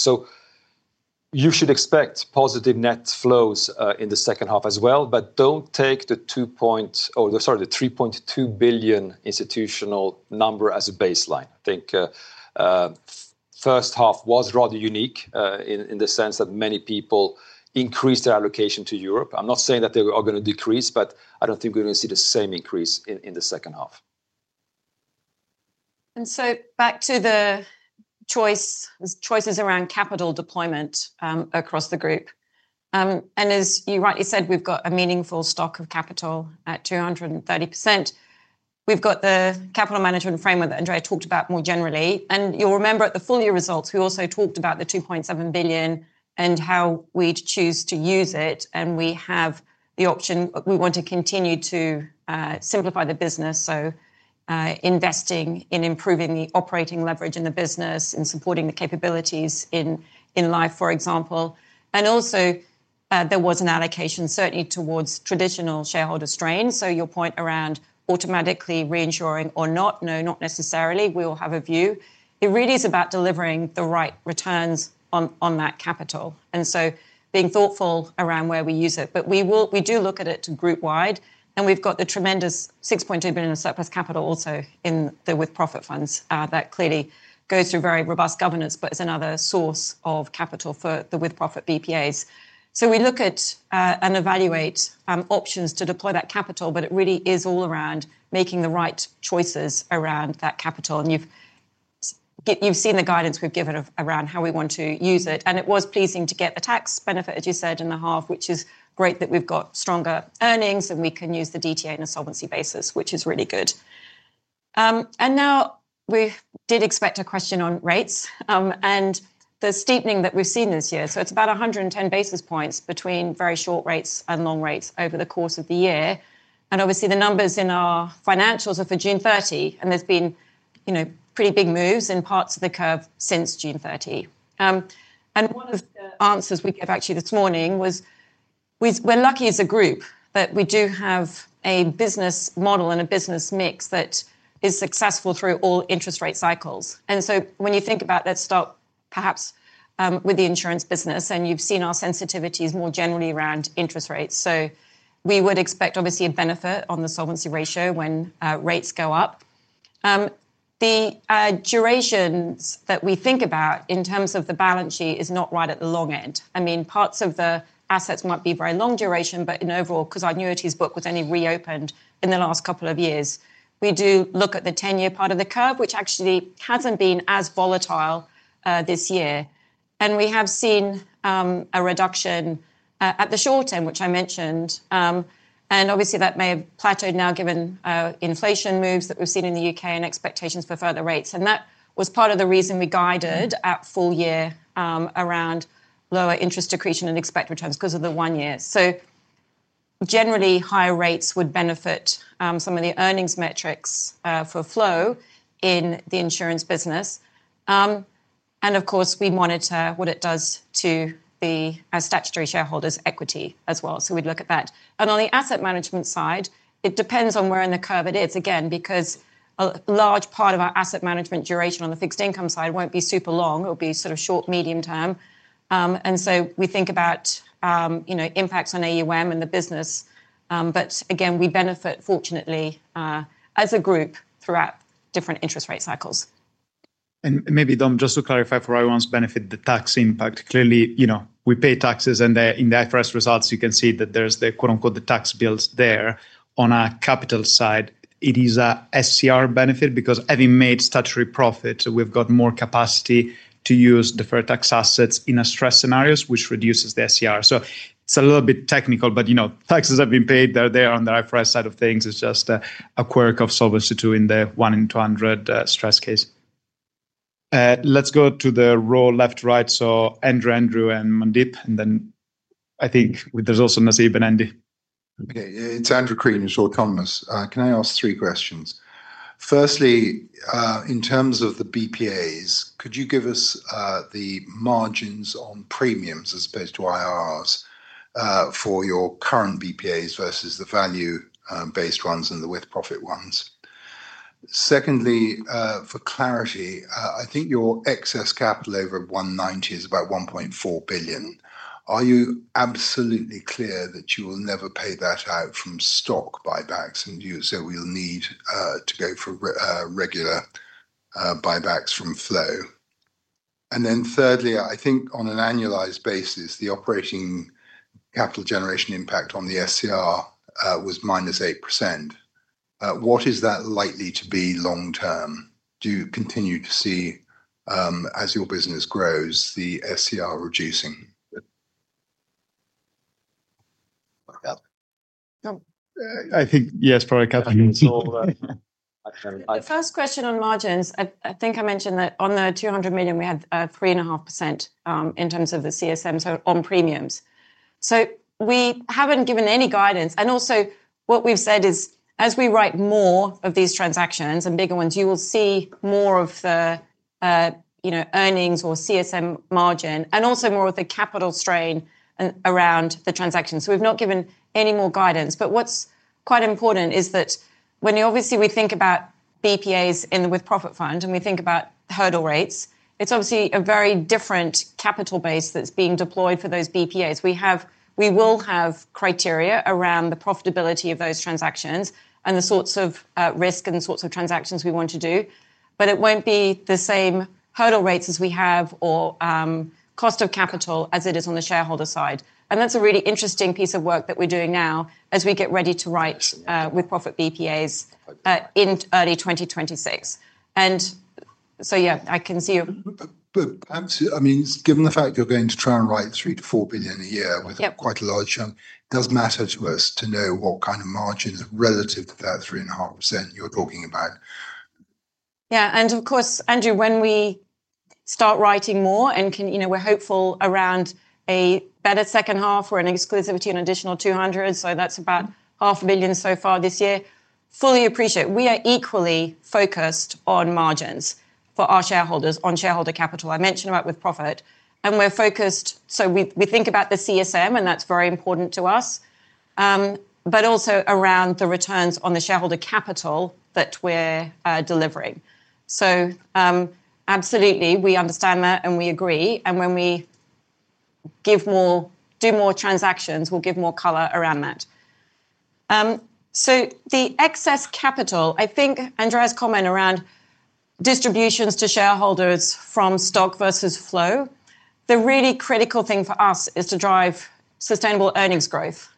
You should expect positive net flows in the second half as well, but don't take the £2.2, oh, sorry, the £3.2 billion institutional number is a baseline. I think the first half was rather unique in the sense that many people increased their allocation to Europe. I'm not saying that they are going to decrease, but I don't think we're going to see the same increase in the second half. Back to the choices around capital deployment across the group. As you rightly said, we've got a meaningful stock of capital at 230%. We've got the Capital Management Framework that Andrea talked about more generally. You'll remember at the full year results, we also talked about the £2.7 billion and how we'd choose to use it. We have the option, we want to continue to simplify the business, investing in improving the operating leverage in the business and supporting the capabilities in life, for example. There was an allocation certainly towards traditional shareholder strain. Your point around automatically reinsuring or not, no, not necessarily. We will have a view. It really is about delivering the right returns on that capital, being thoughtful around where we use it. We do look at it group-wide. We've got the tremendous £6.2 billion in surplus capital also in the with-profits funds that clearly go through very robust governance, but it's another source of capital for the with-profits BPAs. We look at and evaluate options to deploy that capital, but it really is all around making the right choices around that capital. You've seen the guidance we've given around how we want to use it. It was pleasing to get the tax benefit, as you said, in the half, which is great that we've got stronger earnings and we can use the DTA in a solvency basis, which is really good. We did expect a question on rates and the steepening that we've seen this year. It's about 110 basis points between very short rates and long rates over the course of the year. The numbers in our financials are for June 30. There's been pretty big moves in parts of the curve since June 30. One of the answers we gave actually this morning was we're lucky as a group that we do have a business model and a business mix that is successful through all interest rate cycles. When you think about, let's start perhaps with the insurance business, you've seen our sensitivities more generally around interest rates. We would expect obviously a benefit on the Solvency ratio when rates go up. The durations that we think about in terms of the balance sheet is not right at the long-end. I mean, parts of the assets might be very long duration, but overall, because our annuities book was only reopened in the last couple of years, we do look at the 10-year part of the curve, which actually hasn't been as volatile this year. We have seen a reduction at the short-term, which I mentioned. Obviously, that may have plateaued now given inflation moves that we've seen in the U.K. and expectations for further rates. That was part of the reason we guided at full year around lower interest decretion and expect returns because of the one year. Generally, higher rates would benefit some of the earnings metrics for flow in the insurance business. Of course, we monitor what it does to the statutory shareholders' equity as well. We'd look at that. On the Asset Management side, it depends on where in the curve it is, again, because a large part of our Asset Management duration on the fixed income side won't be super long. It'll be sort of short, medium-term. We think about impacts on AUM and the business. Again, we benefit, fortunately, as a group throughout different interest rate cycles. Maybe Dom, just to clarify for everyone's benefit, the tax impact. Clearly, you know, we pay taxes and in the IFRS results, you can see that there's the quote-unquote "tax bills" there. On our capital side, it is an SCR benefit because having made statutory profits, we've got more capacity to use deferred tax assets in stress scenarios, which reduces the SCR. It's a little bit technical, but you know, taxes have been paid. They're there on the IFRS side of things. It's just a quirk of Solvency II in the 1 in 200 stress case. Let's go to the row left to right. So, Andrew, Andrew, and Mandeep, and then I think there's also Naseeb and Andy. Okay, it's Andrew Crean in Autonomous. Can I ask three questions? Firstly, in terms of the BPAs, could you give us the margins on premiums as opposed to IRRs for your current BPAs versus the value-based ones and the with-profits ones? Secondly, for clarity, I think your excess capital over 190 is about £1.4 billion. Are you absolutely clear that you will never pay that out from stock buybacks and use? We'll need to go for regular buybacks from flow. Thirdly, I think on an annualized basis, the operating capital generation impact on the SCR was -8%. What is that likely to be long-term? Do you continue to see, as your business grows, the SCR reducing? I think yes, Kathryn will solve that. First question on margins, I think I mentioned that on the £200 million, we had 3.5% in terms of the CSM, so on premiums. We haven't given any guidance. Also, what we've said is, as we write more of these transactions and bigger ones, you will see more of the earnings or CSM margin and also more of the capital strain around the transaction. We've not given any more guidance. What's quite important is that when you obviously think about BPAs in the with-profits fund and we think about hurdle rates, it's obviously a very different capital base that's being deployed for those BPAs. We will have criteria around the profitability of those transactions and the sorts of risk and the sorts of transactions we want to do. It won't be the same hurdle rates as we have or cost of capital as it is on the shareholder side. That's a really interesting piece of work that we're doing now as we get ready to write with-profits BPAs in early 2026. I can see your. Absolutely, I mean, given the fact you're going to try and write £3 billion-£4 billion a year, I think quite a large sum, it does matter to us to know what kind of margins relative to that 3.5% you're talking about. Yeah, and of course, Andrew, when we start writing more and can, you know, we're hopeful around a better second half or an exclusivity on an additional £200 million, so that's about £500 million so far this year, fully appreciate. We are equally focused on margins for our shareholders on shareholder capital. I mentioned about with-profits. We're focused, so we think about the CSM and that's very important to us, but also around the returns on the shareholder capital that we're delivering. Absolutely, we understand that and we agree. When we give more, do more transactions, we'll give more color around that. The excess capital, I think Andrea's comment around distributions to shareholders from stock versus flow, the really critical thing for us is to drive sustainable earnings growth.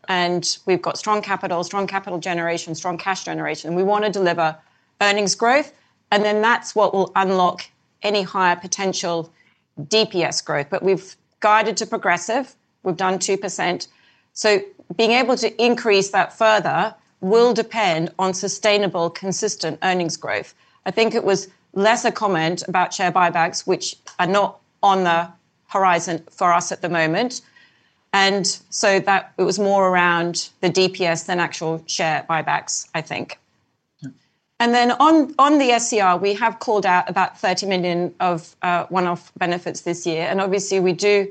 We've got strong capital, strong capital generation, strong cash generation. We want to deliver earnings growth. That's what will unlock any higher potential DPS growth. We've guided to progressive. We've done 2%. Being able to increase that further will depend on sustainable, consistent earnings growth. I think it was less a comment about share buybacks, which are not on the horizon for us at the moment. It was more around the DPS than actual share buybacks, I think. On the SCR, we have called out about £30 million of one-off benefits this year. Obviously, we do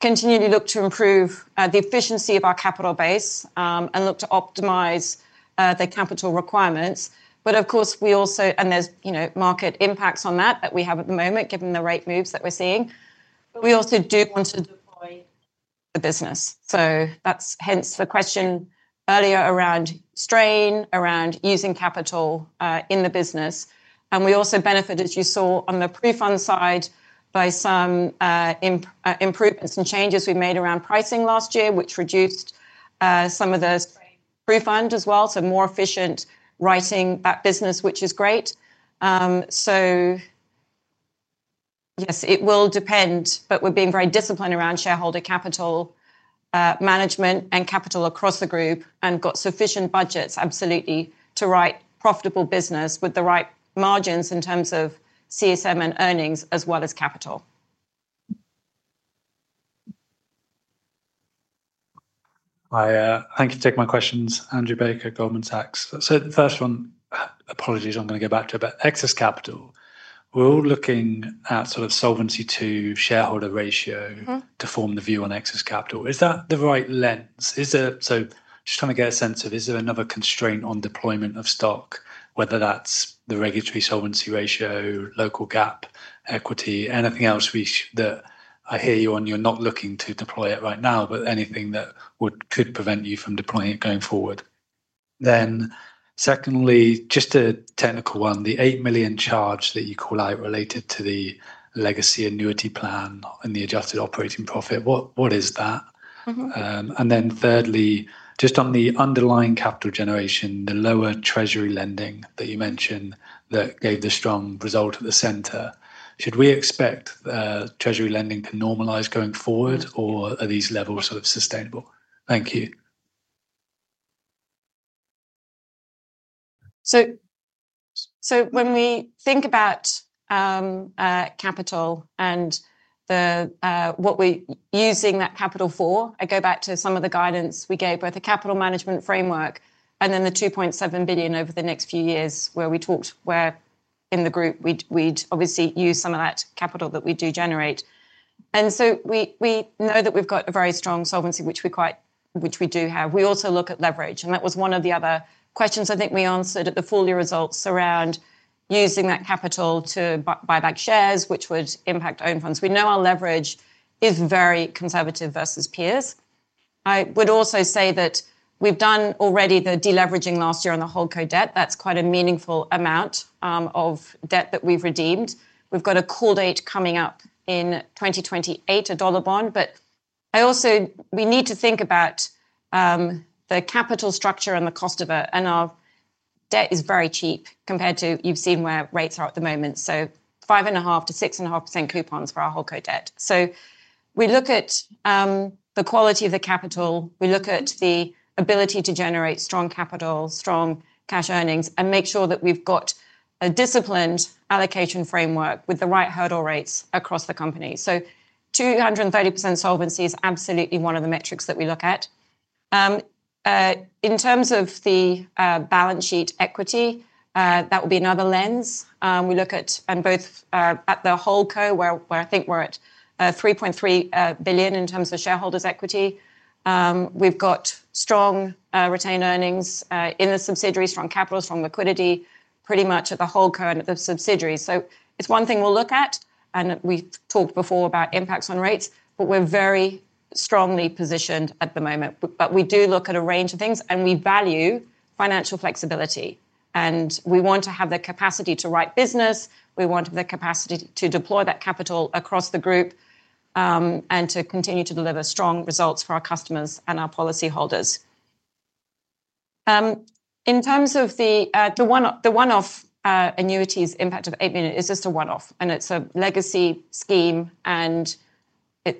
continually look to improve the efficiency of our capital base and look to optimize the capital requirements. Of course, we also, and there's, you know, market impacts on that that we have at the moment, given the rate moves that we're seeing. We also do want to deploy the business. That's hence the question earlier around strain, around using capital in the business. We also benefit, as you saw, on the PruFund side by some improvements and changes we've made around pricing last year, which reduced some of the PruFund as well. More efficient writing that business, which is great. Yes, it will depend, but we're being very disciplined around shareholder capital management and capital across the group and got sufficient budgets, absolutely, to write profitable business with the right margins in terms of CSM and earnings, as well as capital. Hi, thank you for taking my questions, Andrew Baker, Goldman Sachs. The first one, apologies, I'm going to go back to it, but excess capital, we're all looking at sort of Solvency II shareholder ratio to form the view on excess capital. Is that the right lens? Is there, just trying to get a sense of, is there another constraint on deployment of stock, whether that's the regulatory solvency ratio, local GAAP, equity, anything else that I hear you on, you're not looking to deploy it right now, but anything that could prevent you from deploying it going forward? Secondly, just a technical one, the £8 million charge that you call out related to the legacy annuity plan and the adjusted operating profit, what is that? Thirdly, just on the underlying capital generation, the lower Treasury lending that you mentioned that gave the strong result at the center, should we expect Treasury lending to normalize going forward, or are these levels sort of sustainable? Thank you. When we think about capital and what we're using that capital for, I go back to some of the guidance we gave, both a capital management framework and then the £2.7 billion over the next few years, where we talked where in the group we'd obviously use some of that capital that we do generate. We know that we've got a very strong solvency, which we do have. We also look at leverage, and that was one of the other questions I think we answered at the full year results around using that capital to buyback shares, which would impact owned funds. We know our leverage is very conservative versus peers. I would also say that we've done already the deleveraging last year on the whole co-debt. That's quite a meaningful amount of debt that we've redeemed. We've got a call date coming up in 2028, a dollar bond, but we also need to think about the capital structure and the cost of it, and our debt is very cheap compared to, you've seen where rates are at the moment. So, 5.5%-6.5% coupons for our whole co-debt. We look at the quality of the capital, we look at the ability to generate strong capital, strong cash earnings, and make sure that we've got a disciplined allocation framework with the right hurdle rates across the company. 230% solvency is absolutely one of the metrics that we look at. In terms of the balance sheet equity, that will be another lens. We look at, and both at the whole co, where I think we're at £3.3 billion in terms of shareholders' equity. We've got strong retained earnings in the subsidiaries, strong capital, strong liquidity, pretty much at the whole co and at the subsidiaries. It's one thing we'll look at, and we talked before about impacts on rates, but we're very strongly positioned at the moment. We do look at a range of things, and we value financial flexibility. We want to have the capacity to write business. We want the capacity to deploy that capital across the group and to continue to deliver strong results for our customers and our policyholders. In terms of the one-off annuities impact of £8 million, it's just a one-off, and it's a legacy scheme, and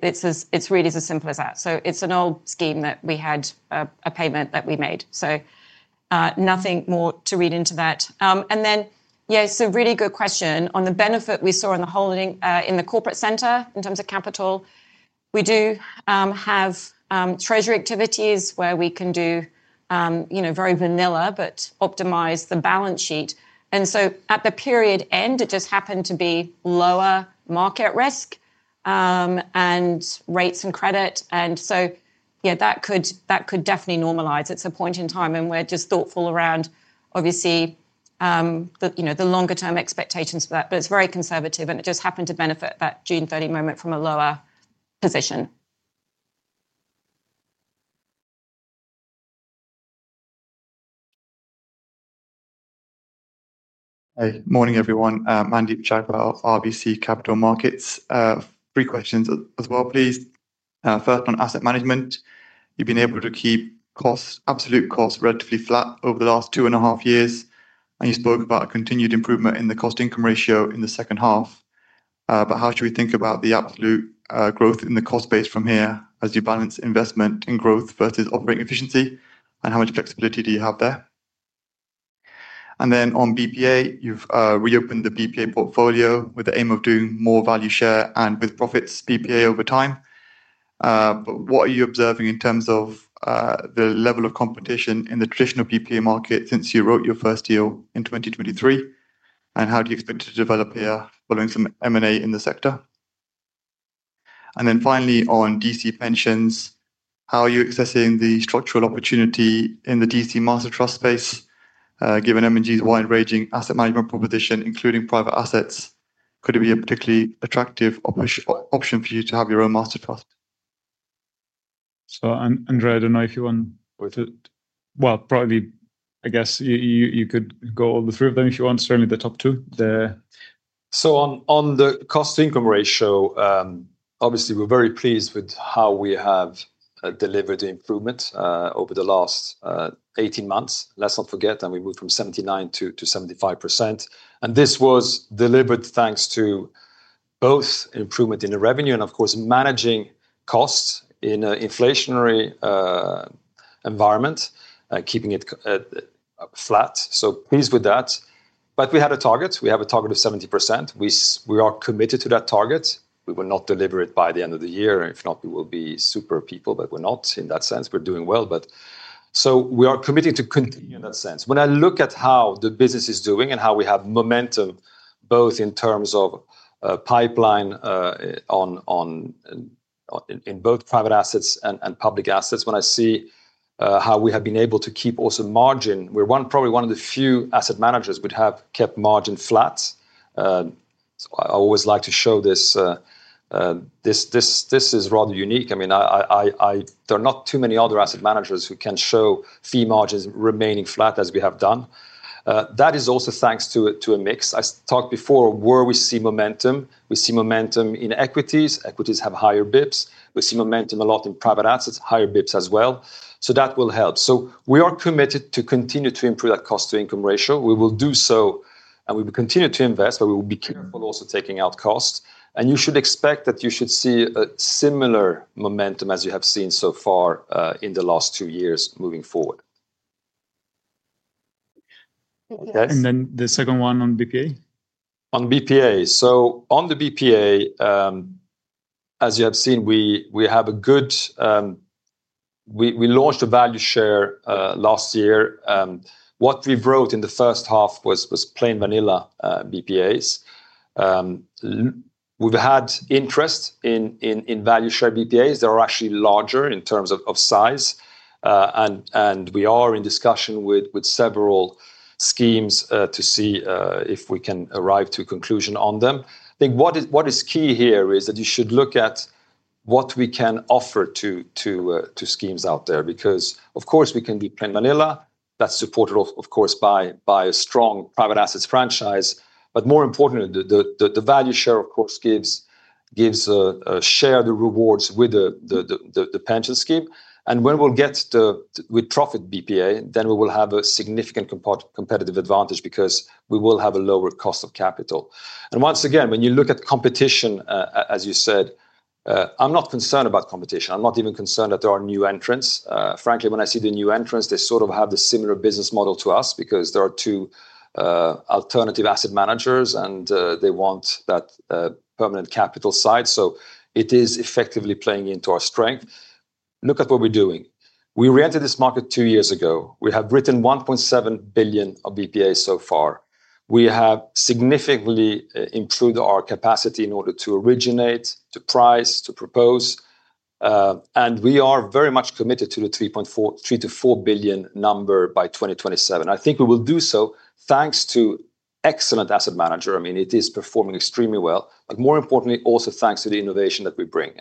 it's really as simple as that. It's an old scheme that we had a payment that we made. Nothing more to read into that. It's a really good question. On the benefit we saw in the corporate center in terms of capital, we do have Treasury activities where we can do, you know, very vanilla, but optimize the balance sheet. At the period end, it just happened to be lower market risk and rates and credit. That could definitely normalize. It's a point in time, and we're just thoughtful around, obviously, the longer-term expectations for that. It's very conservative, and it just happened to benefit that June 30 moment from a lower position. Morning everyone. Mandeep Jagpal, RBC Capital Markets. Three questions as well, please. First on Asset Management. You've been able to keep absolute costs relatively flat over the last two and a half years, and you spoke about a continued improvement in the cost-to-income ratio in the second half. How should we think about the absolute growth in the cost base from here as you balance investment and growth versus operating efficiency, and how much flexibility do you have there? On BPA, you've reopened the BPA portfolio with the aim of doing more value share and with-profits BPA over time. What are you observing in terms of the level of competition in the traditional BPA market since you wrote your first deal in 2023, and how do you expect it to develop here following some M&A in the sector? Finally, on DC pensions, how are you accessing the structural opportunity in the DC master trust space, given M&G's wide-ranging asset management proposition, including private assets? Could it be a particularly attractive option for you to have your own master trust? Andrea, I don't know if you want both. You could go all the three of them if you want. Certainly, the top two. On the cost-to-income ratio, obviously, we're very pleased with how we have delivered the improvement over the last 18 months. Let's not forget, we moved from 79%-75%. This was delivered thanks to both improvement in the revenue and, of course, managing costs in an inflationary environment, keeping it flat. We're pleased with that. We had a target. We have a target of 70%. We are committed to that target. We will not deliver it by the end of the year. If not, we will be super people, but we're not in that sense. We're doing well. We are committed to continue in that sense. When I look at how the business is doing and how we have momentum both in terms of pipeline in both private assets and public assets, when I see how we have been able to keep also margin, we're probably one of the few asset managers who have kept margin flat. I always like to show this. This is rather unique. There are not too many other asset managers who can show fee margins remaining flat as we have done. That is also thanks to a mix. I talked before where we see momentum. We see momentum in equities. Equities have higher bips. We see momentum a lot in private assets, higher bips as well. That will help. We are committed to continue to improve that cost-to-income ratio. We will do so, and we will continue to invest, but we will be careful also taking out costs. You should expect that you should see a similar momentum as you have seen so far in the last two years moving forward. The second one on with-profits BPA? On BPA. On the BPA, as you have seen, we have a good, we launched a value share last year. What we wrote in the first half was plain vanilla BPAs. We've had interest in value share BPAs. They are actually larger in terms of size. We are in discussion with several schemes to see if we can arrive to a conclusion on them. I think what is key here is that you should look at what we can offer to schemes out there, because, of course, we can do plain vanilla. That's supported, of course, by a strong private assets franchise. More importantly, the value share, of course, gives a share of the rewards with the pension scheme. When we get to with-profits BPA, then we will have a significant competitive advantage because we will have a lower cost of capital. Once again, when you look at competition, as you said, I'm not concerned about competition. I'm not even concerned that there are new entrants. Frankly, when I see the new entrants, they sort of have a similar business model to us because there are two alternative asset managers and they want that permanent capital side. It is effectively playing into our strength. Look at what we're doing. We reentered this market two years ago. We have written £1.7 billion of BPAs so far. We have significantly improved our capacity in order to originate, to price, to propose. We are very much committed to the £3.4 billion number by 2027. I think we will do so thanks to excellent asset manager. It is performing extremely well. More importantly, also thanks to the innovation that we bring.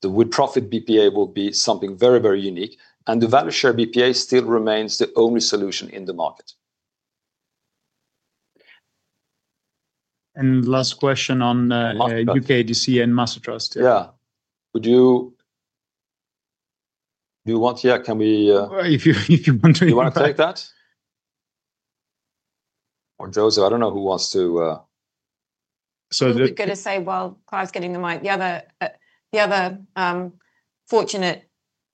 The with-profits bulk purchase annuity will be something very, very unique. The value share BPA still remains the only solution in the market. Last question on U.K. DC and master trust. Yeah, do you want to? Can we? If you want to. You want to take that? Or Luca, I don't know who wants to. I was going to say, as Kyle's getting the mic, the other fortunate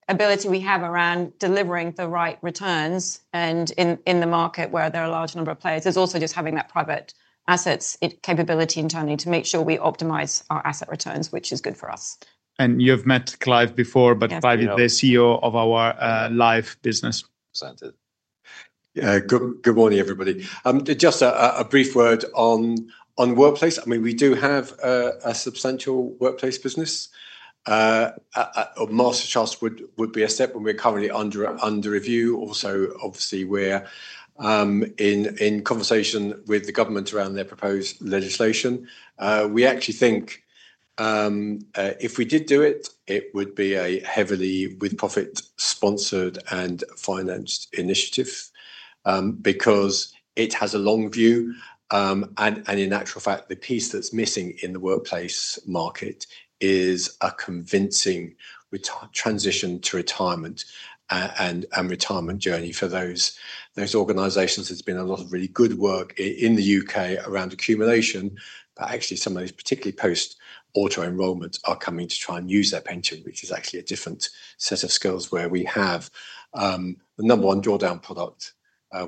ability we have around delivering the right returns in a market where there are a large number of players is also just having that private assets capability internally to make sure we optimize our asset returns, which is good for us. You have met Clive before, but Clive is the CEO of our Life business? Good morning, everybody. Just a brief word on workplace. We do have a substantial workplace business. A master trust would be a step we are currently under review. Also, obviously, we are in conversation with the government around their proposed legislation. We actually think if we did do it, it would be a heavily with-profits sponsored and financed initiative because it has a long view. In actual fact, the piece that's missing in the workplace market is a convincing transition to retirement and retirement journey for those organizations. There has been a lot of really good work in the U.K. around accumulation. Actually, some of those, particularly post-auto enrollment, are coming to try and use their pension, which is a different set of skills where we have the number one drawdown product.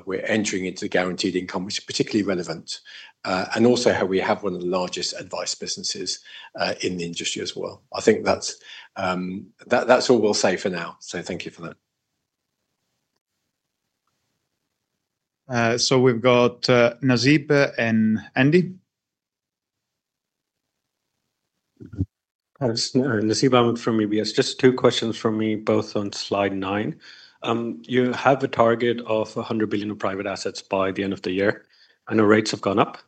We are entering into guaranteed income, which is particularly relevant. We have one of the largest advice businesses in the industry as well. I think that's all we'll say for now. Thank you for that. We've got Nasib and Andy. I'm from UBS. Just two questions from me, both on slide nine. You have a target of $100 billion of private assets by the end of the year. I know rates have gone up.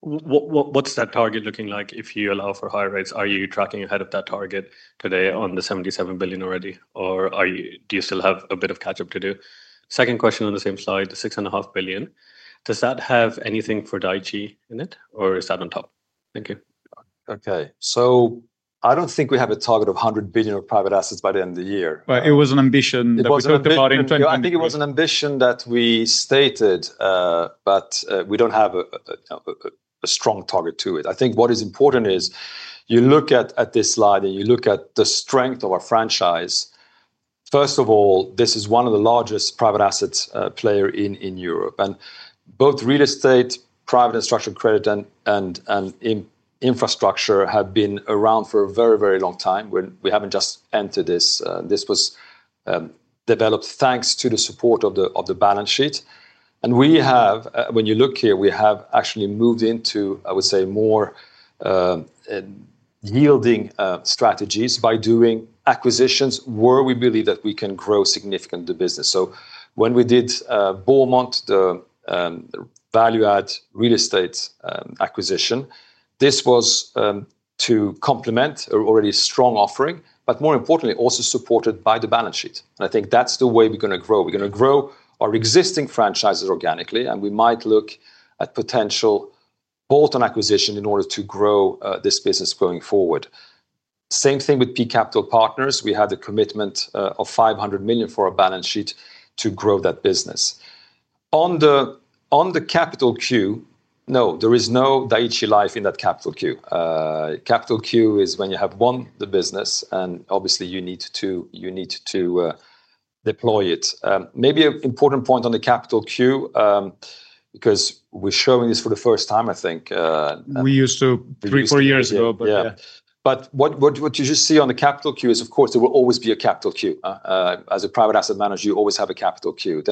What's that target looking like if you allow for higher rates? Are you tracking ahead of that target today on the $77 billion already, or do you still have a bit of catch-up to do? Second question on the same slide, the $6.5 billion. Does that have anything for Dai-ichi Life in it, or is that on top? Thank you. Okay. I don't think we have a target of $100 billion of private assets by the end of the year. It was an ambition that we talked about in 2020. I think it was an ambition that we stated, but we don't have a strong target to it. I think what is important is you look at this slide and you look at the strength of our franchise. First of all, this is one of the largest private assets players in Europe. Both real estate, private and structured credit and infrastructure have been around for a very, very long time. We haven't just entered this. This was developed thanks to the support of the balance sheet. When you look here, we have actually moved into, I would say, more yielding strategies by doing acquisitions where we believe that we can grow significantly the business. When we did BauMont, the value-add real estate acquisition, this was to complement an already strong offering, but more importantly, also supported by the balance sheet. I think that's the way we're going to grow. We're going to grow our existing franchises organically, and we might look at potential bolt-on acquisition in order to grow this business going forward. Same thing with P Capital Partners. We had a commitment of $500 million for our balance sheet to grow that business. On the capital queue, no, there is no Dai-ichi Life in that capital queue. Capital queue is when you have won the business, and obviously you need to deploy it. Maybe an important point on the capital queue, because we're showing this for the first time, I think. We used to three, four years ago, but yeah. What you just see on the capital queue is, of course, there will always be a capital queue. As a private asset manager, you always have a capital queue.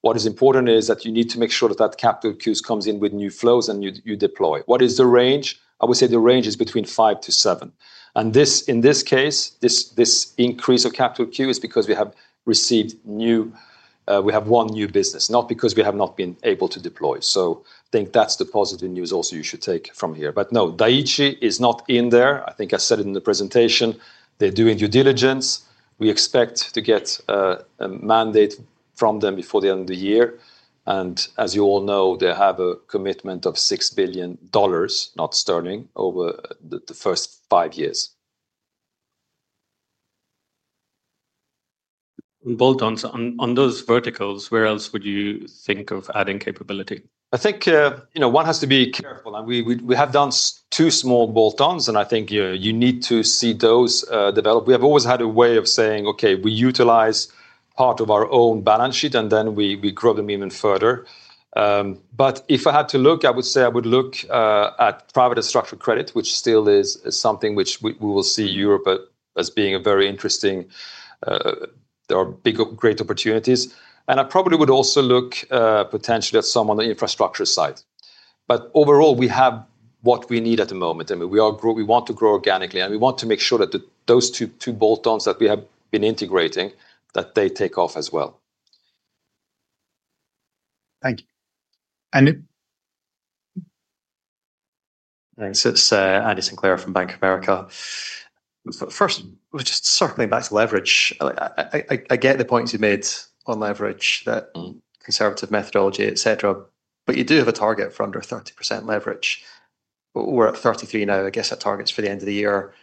What is important is that you need to make sure that the capital queue comes in with new flows and you deploy. What is the range? I would say the range is between five 5%-7%. In this case, this increase of capital queue is because we have received new, we have won new business, not because we have not been able to deploy. I think that's the positive news you should take from here. No, Dai-ichi is not in there. I think I said it in the presentation. They're doing due diligence. We expect to get a mandate from them before the end of the year. As you all know, they have a commitment of $6 billion, not sterling, over the first five years. On bolt-ons, on those verticals, where else would you think of adding capability? I think, you know, one has to be careful. We have done two small bolt-ons, and I think you need to see those develop. We have always had a way of saying, okay, we utilize part of our own balance sheet, and then we grow them even further. If I had to look, I would say I would look at private structured credit, which still is something which we will see Europe as being very interesting. There are big great opportunities. I probably would also look potentially at some on the infrastructure side. Overall, we have what we need at the moment. I mean, we want to grow organically, and we want to make sure that those two bolt-ons that we have been integrating, that they take off as well. Thank you. Andrew? Thanks. It's Andrew Sinclair from Bank of America. First, we're just circling back to leverage. I get the points you've made on leverage, that conservative methodology, et cetera, but you do have a target for under 30% leverage. We're at 33% now, I guess that target's for the end of the year.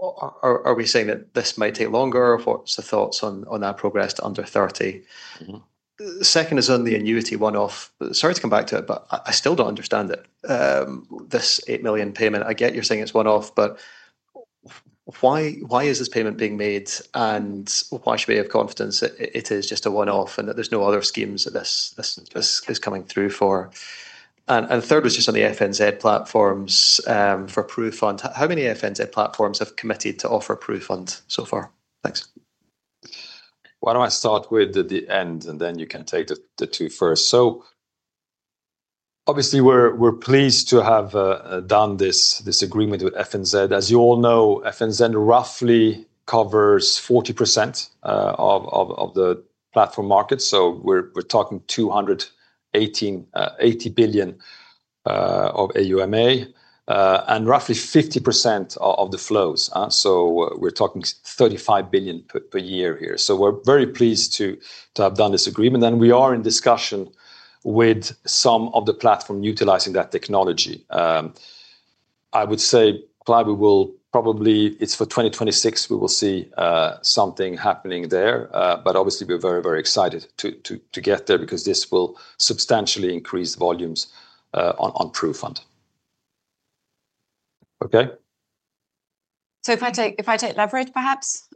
Are we saying that this might take longer? What's the thoughts on our progress to under 30%? The second is on the annuity one-off. Sorry to come back to it, but I still don't understand it. This £8 million payment, I get you're saying it's one-off, but why is this payment being made? Why should we have confidence that it is just a one-off and that there's no other schemes that this is coming through for? The third was just on the FNZ platforms for PruFund. How many FNZ platforms have committed to offer PruFund so far? Thanks. Why don't I start with the end and then you can take the two first? Obviously, we're pleased to have done this agreement with FNZ. As you al know, FNZ roughly covers 40% of the platform market. We're talking £280 billion of AUMA and roughly 50% of the flows. We're talking £35 billion per year here. We're very pleased to have done this agreement. We are in discussion with some of the platforms utilizing that technology. I would say probably it's for 2026. We will see something happening there. Obviously, we're very, very excited to get there because this will substantially increase volumes on PruFund. Okay. If I take leverage, perhaps,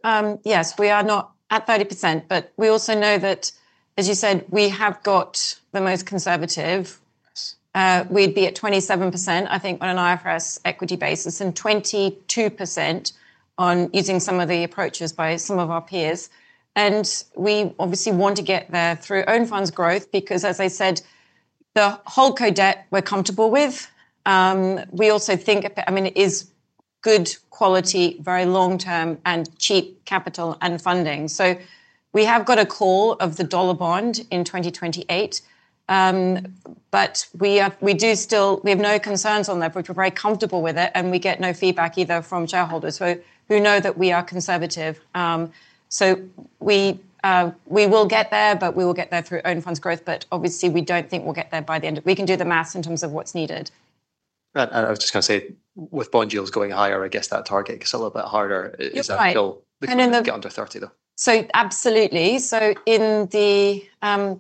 yes, we are not at 30%, but we also know that, as you said, we have got the most conservative. We'd be at 27%, I think, on an IFRS equity basis and 22% on using some of the approaches by some of our peers. We obviously want to get there through own funds growth because, as I said, the whole code that we're comfortable with, we also think, I mean, it is good quality, very long-term, and cheap capital and funding. We have got a call of the dollar bond in 2028. We do still, we have no concerns on that. We're very comfortable with it, and we get no feedback either from shareholders. You know that we are conservative. We will get there, but we will get there through own funds growth. Obviously, we don't think we'll get there by the end of the year. We can do the math in terms of what's needed. I was just going to say, with bond yields going higher, I guess that target gets a little bit harder. Is that still under 30, though? Absolutely. In the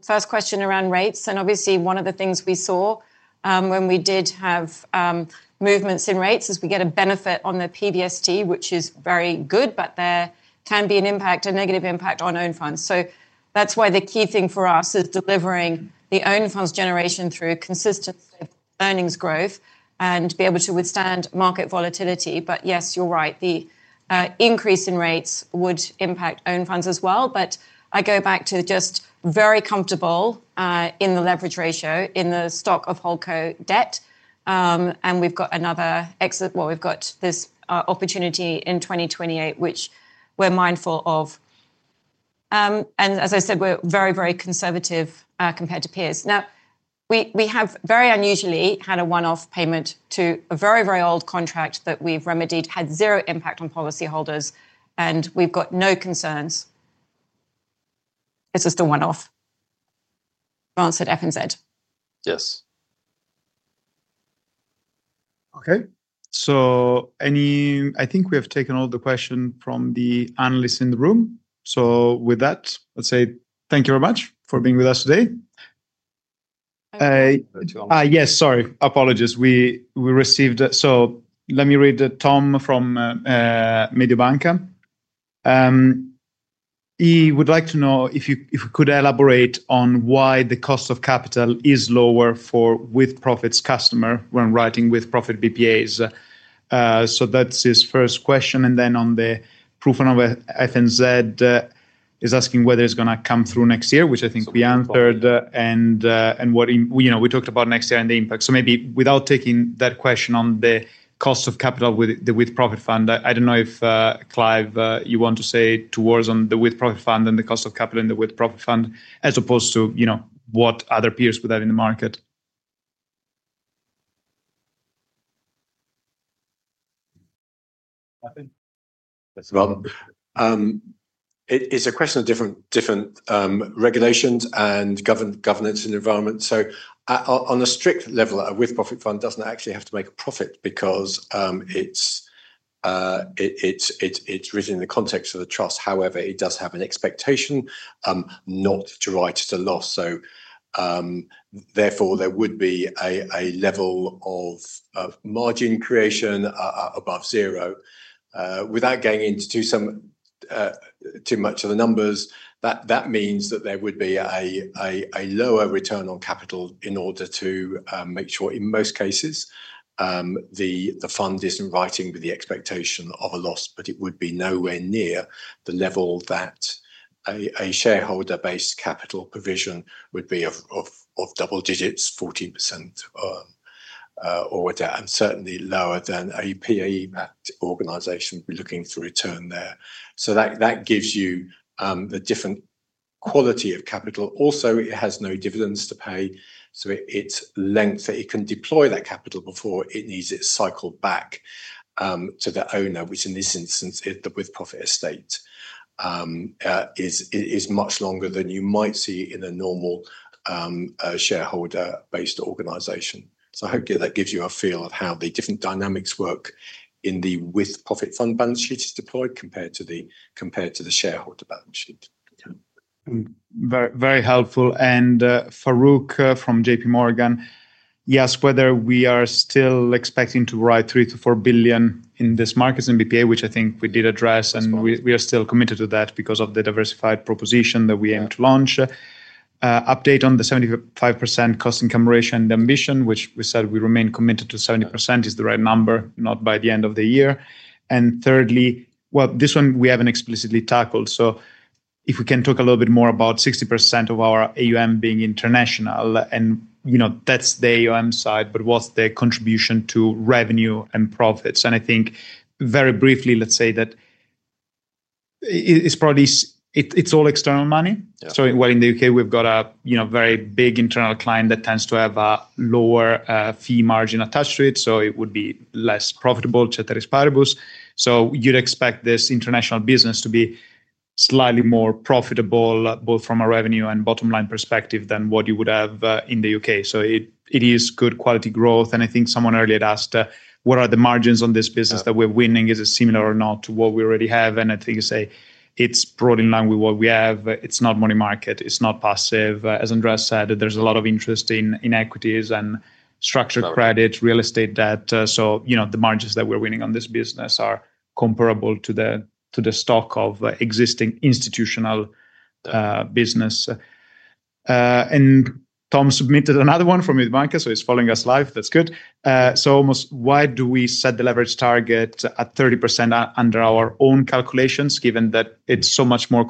first question around rates, one of the things we saw when we did have movements in rates is we get a benefit on the PBST, which is very good, but there can be an impact, a negative impact on own funds. That's why the key thing for us is delivering the own funds generation through consistent earnings growth and being able to withstand market volatility. Yes, you're right. The increase in rates would impact own funds as well. I go back to just being very comfortable in the leverage ratio in the stock of HoldCo debt. We've got another exit, we've got this opportunity in 2028, which we're mindful of. As I said, we're very, very conservative compared to peers. We have very unusually had a one-off payment to a very, very old contract that we've remedied, had zero impact on policyholders, and we've got no concerns. This is the one-off. We've answered FNZ. Yes. Okay. I think we have taken all the questions from the analysts in the room. With that, let's say thank you very much for being with us today. Sorry, apologies. We received, let me read the one from Tom from Mediobanca. He would like to know if you could elaborate on why the cost of capital is lower for with-profits customers when writing with-profits BPAs. That's his first question. Then on the proof of FNZ, he's asking whether it's going to come through next year, which I think we answered, and what we talked about next year and the impact. Maybe without taking that question on the cost of capital with the with-profits fund, I don't know if Clive, you want to say two words on the with-profits fund and the cost of capital in the with-profits fund as opposed to what other peers would have in the market. It's a question of different regulations and governance and environment. On a strict level, a with-profits fund doesn't actually have to make a profit because it's written in the context of the trust. However, it does have an expectation not to write it to loss. Therefore, there would be a level of margin creation above zero. Without going into too much of the numbers, that means that there would be a lower return on capital in order to make sure in most cases the fund is not writing with the expectation of a loss, but it would be nowhere near the level that a shareholder-based capital provision would be of double digits, 14% or certainly lower than BPA-backed organization would be looking to return there. That gives you the different quality of capital. Also, it has no dividends to pay. It's lengthy. It can deploy that capital before it needs its cycle back to the owner, which in this instance, the with-profits estate is much longer than you might see in a normal shareholder-based organization. I hope that gives you a feel of how the different dynamics work in the With-Profits Fund balance sheet as deployed compared to the shareholder balance sheet. Very helpful. Farooq U.K. from JP Morgan, yes, whether we are still expecting to write £3 billion-£4 billion in this market and BPA, which I think we did address, and we are still committed to that because of the diversified proposition that we aim to launch. Update on the 75% cost incumbration and ambition, which we said we remain committed to, 70% is the right number, not by the end of the year. Thirdly, this one we haven't explicitly tackled. If we can talk a little bit more about 60% of our AUM being international, and you know that's the AUM side, but what's the contribution to revenue and profits? Very briefly, let's say that it's probably, it's all external money. In the U.K., we've got a very big internal client that tends to have a lower fee margin attached to it, so it would be less profitable, vis-à-vis peers. You'd expect this international business to be slightly more profitable both from a revenue and bottom line perspective than what you would have in the U.K. It is good quality growth. I think someone earlier asked, what are the margins on this business that we're winning? Is it similar or not to what we already have? You say it's brought in line with what we have. It's not money market. It's not passive. As Andrea said, there's a lot of interest in equities and structured credit, real estate debt. The margins that we're winning on this business are comparable to the stock of existing institutional business. Tom submitted another one from his bank, so he's following us live. That's good. Almost, why do we set the leverage target at 30% under our own calculations, given that it's so much more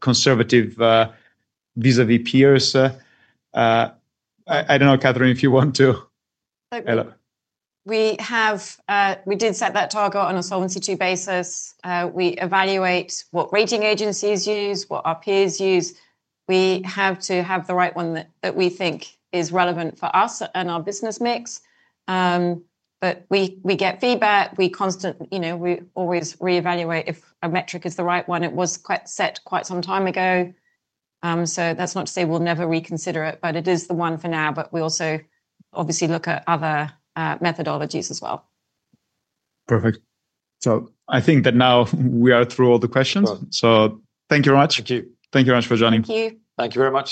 conservative vis-à-vis peers? I don't know, Kathyrn, if you want to. We did set that target on a solvency basis. We evaluate what rating agencies use, what our peers use. We have to have the right one that we think is relevant for us and our business mix. We get feedback. We constantly reevaluate if a metric is the right one. It was set quite some time ago. That's not to say we'll never reconsider it, but it is the one for now. We also obviously look at other methodologies as well. Perfect. I think that now we are through all the questions. Thank you very much. Thank you. Thank you very much for joining. Thank you. Thank you very much.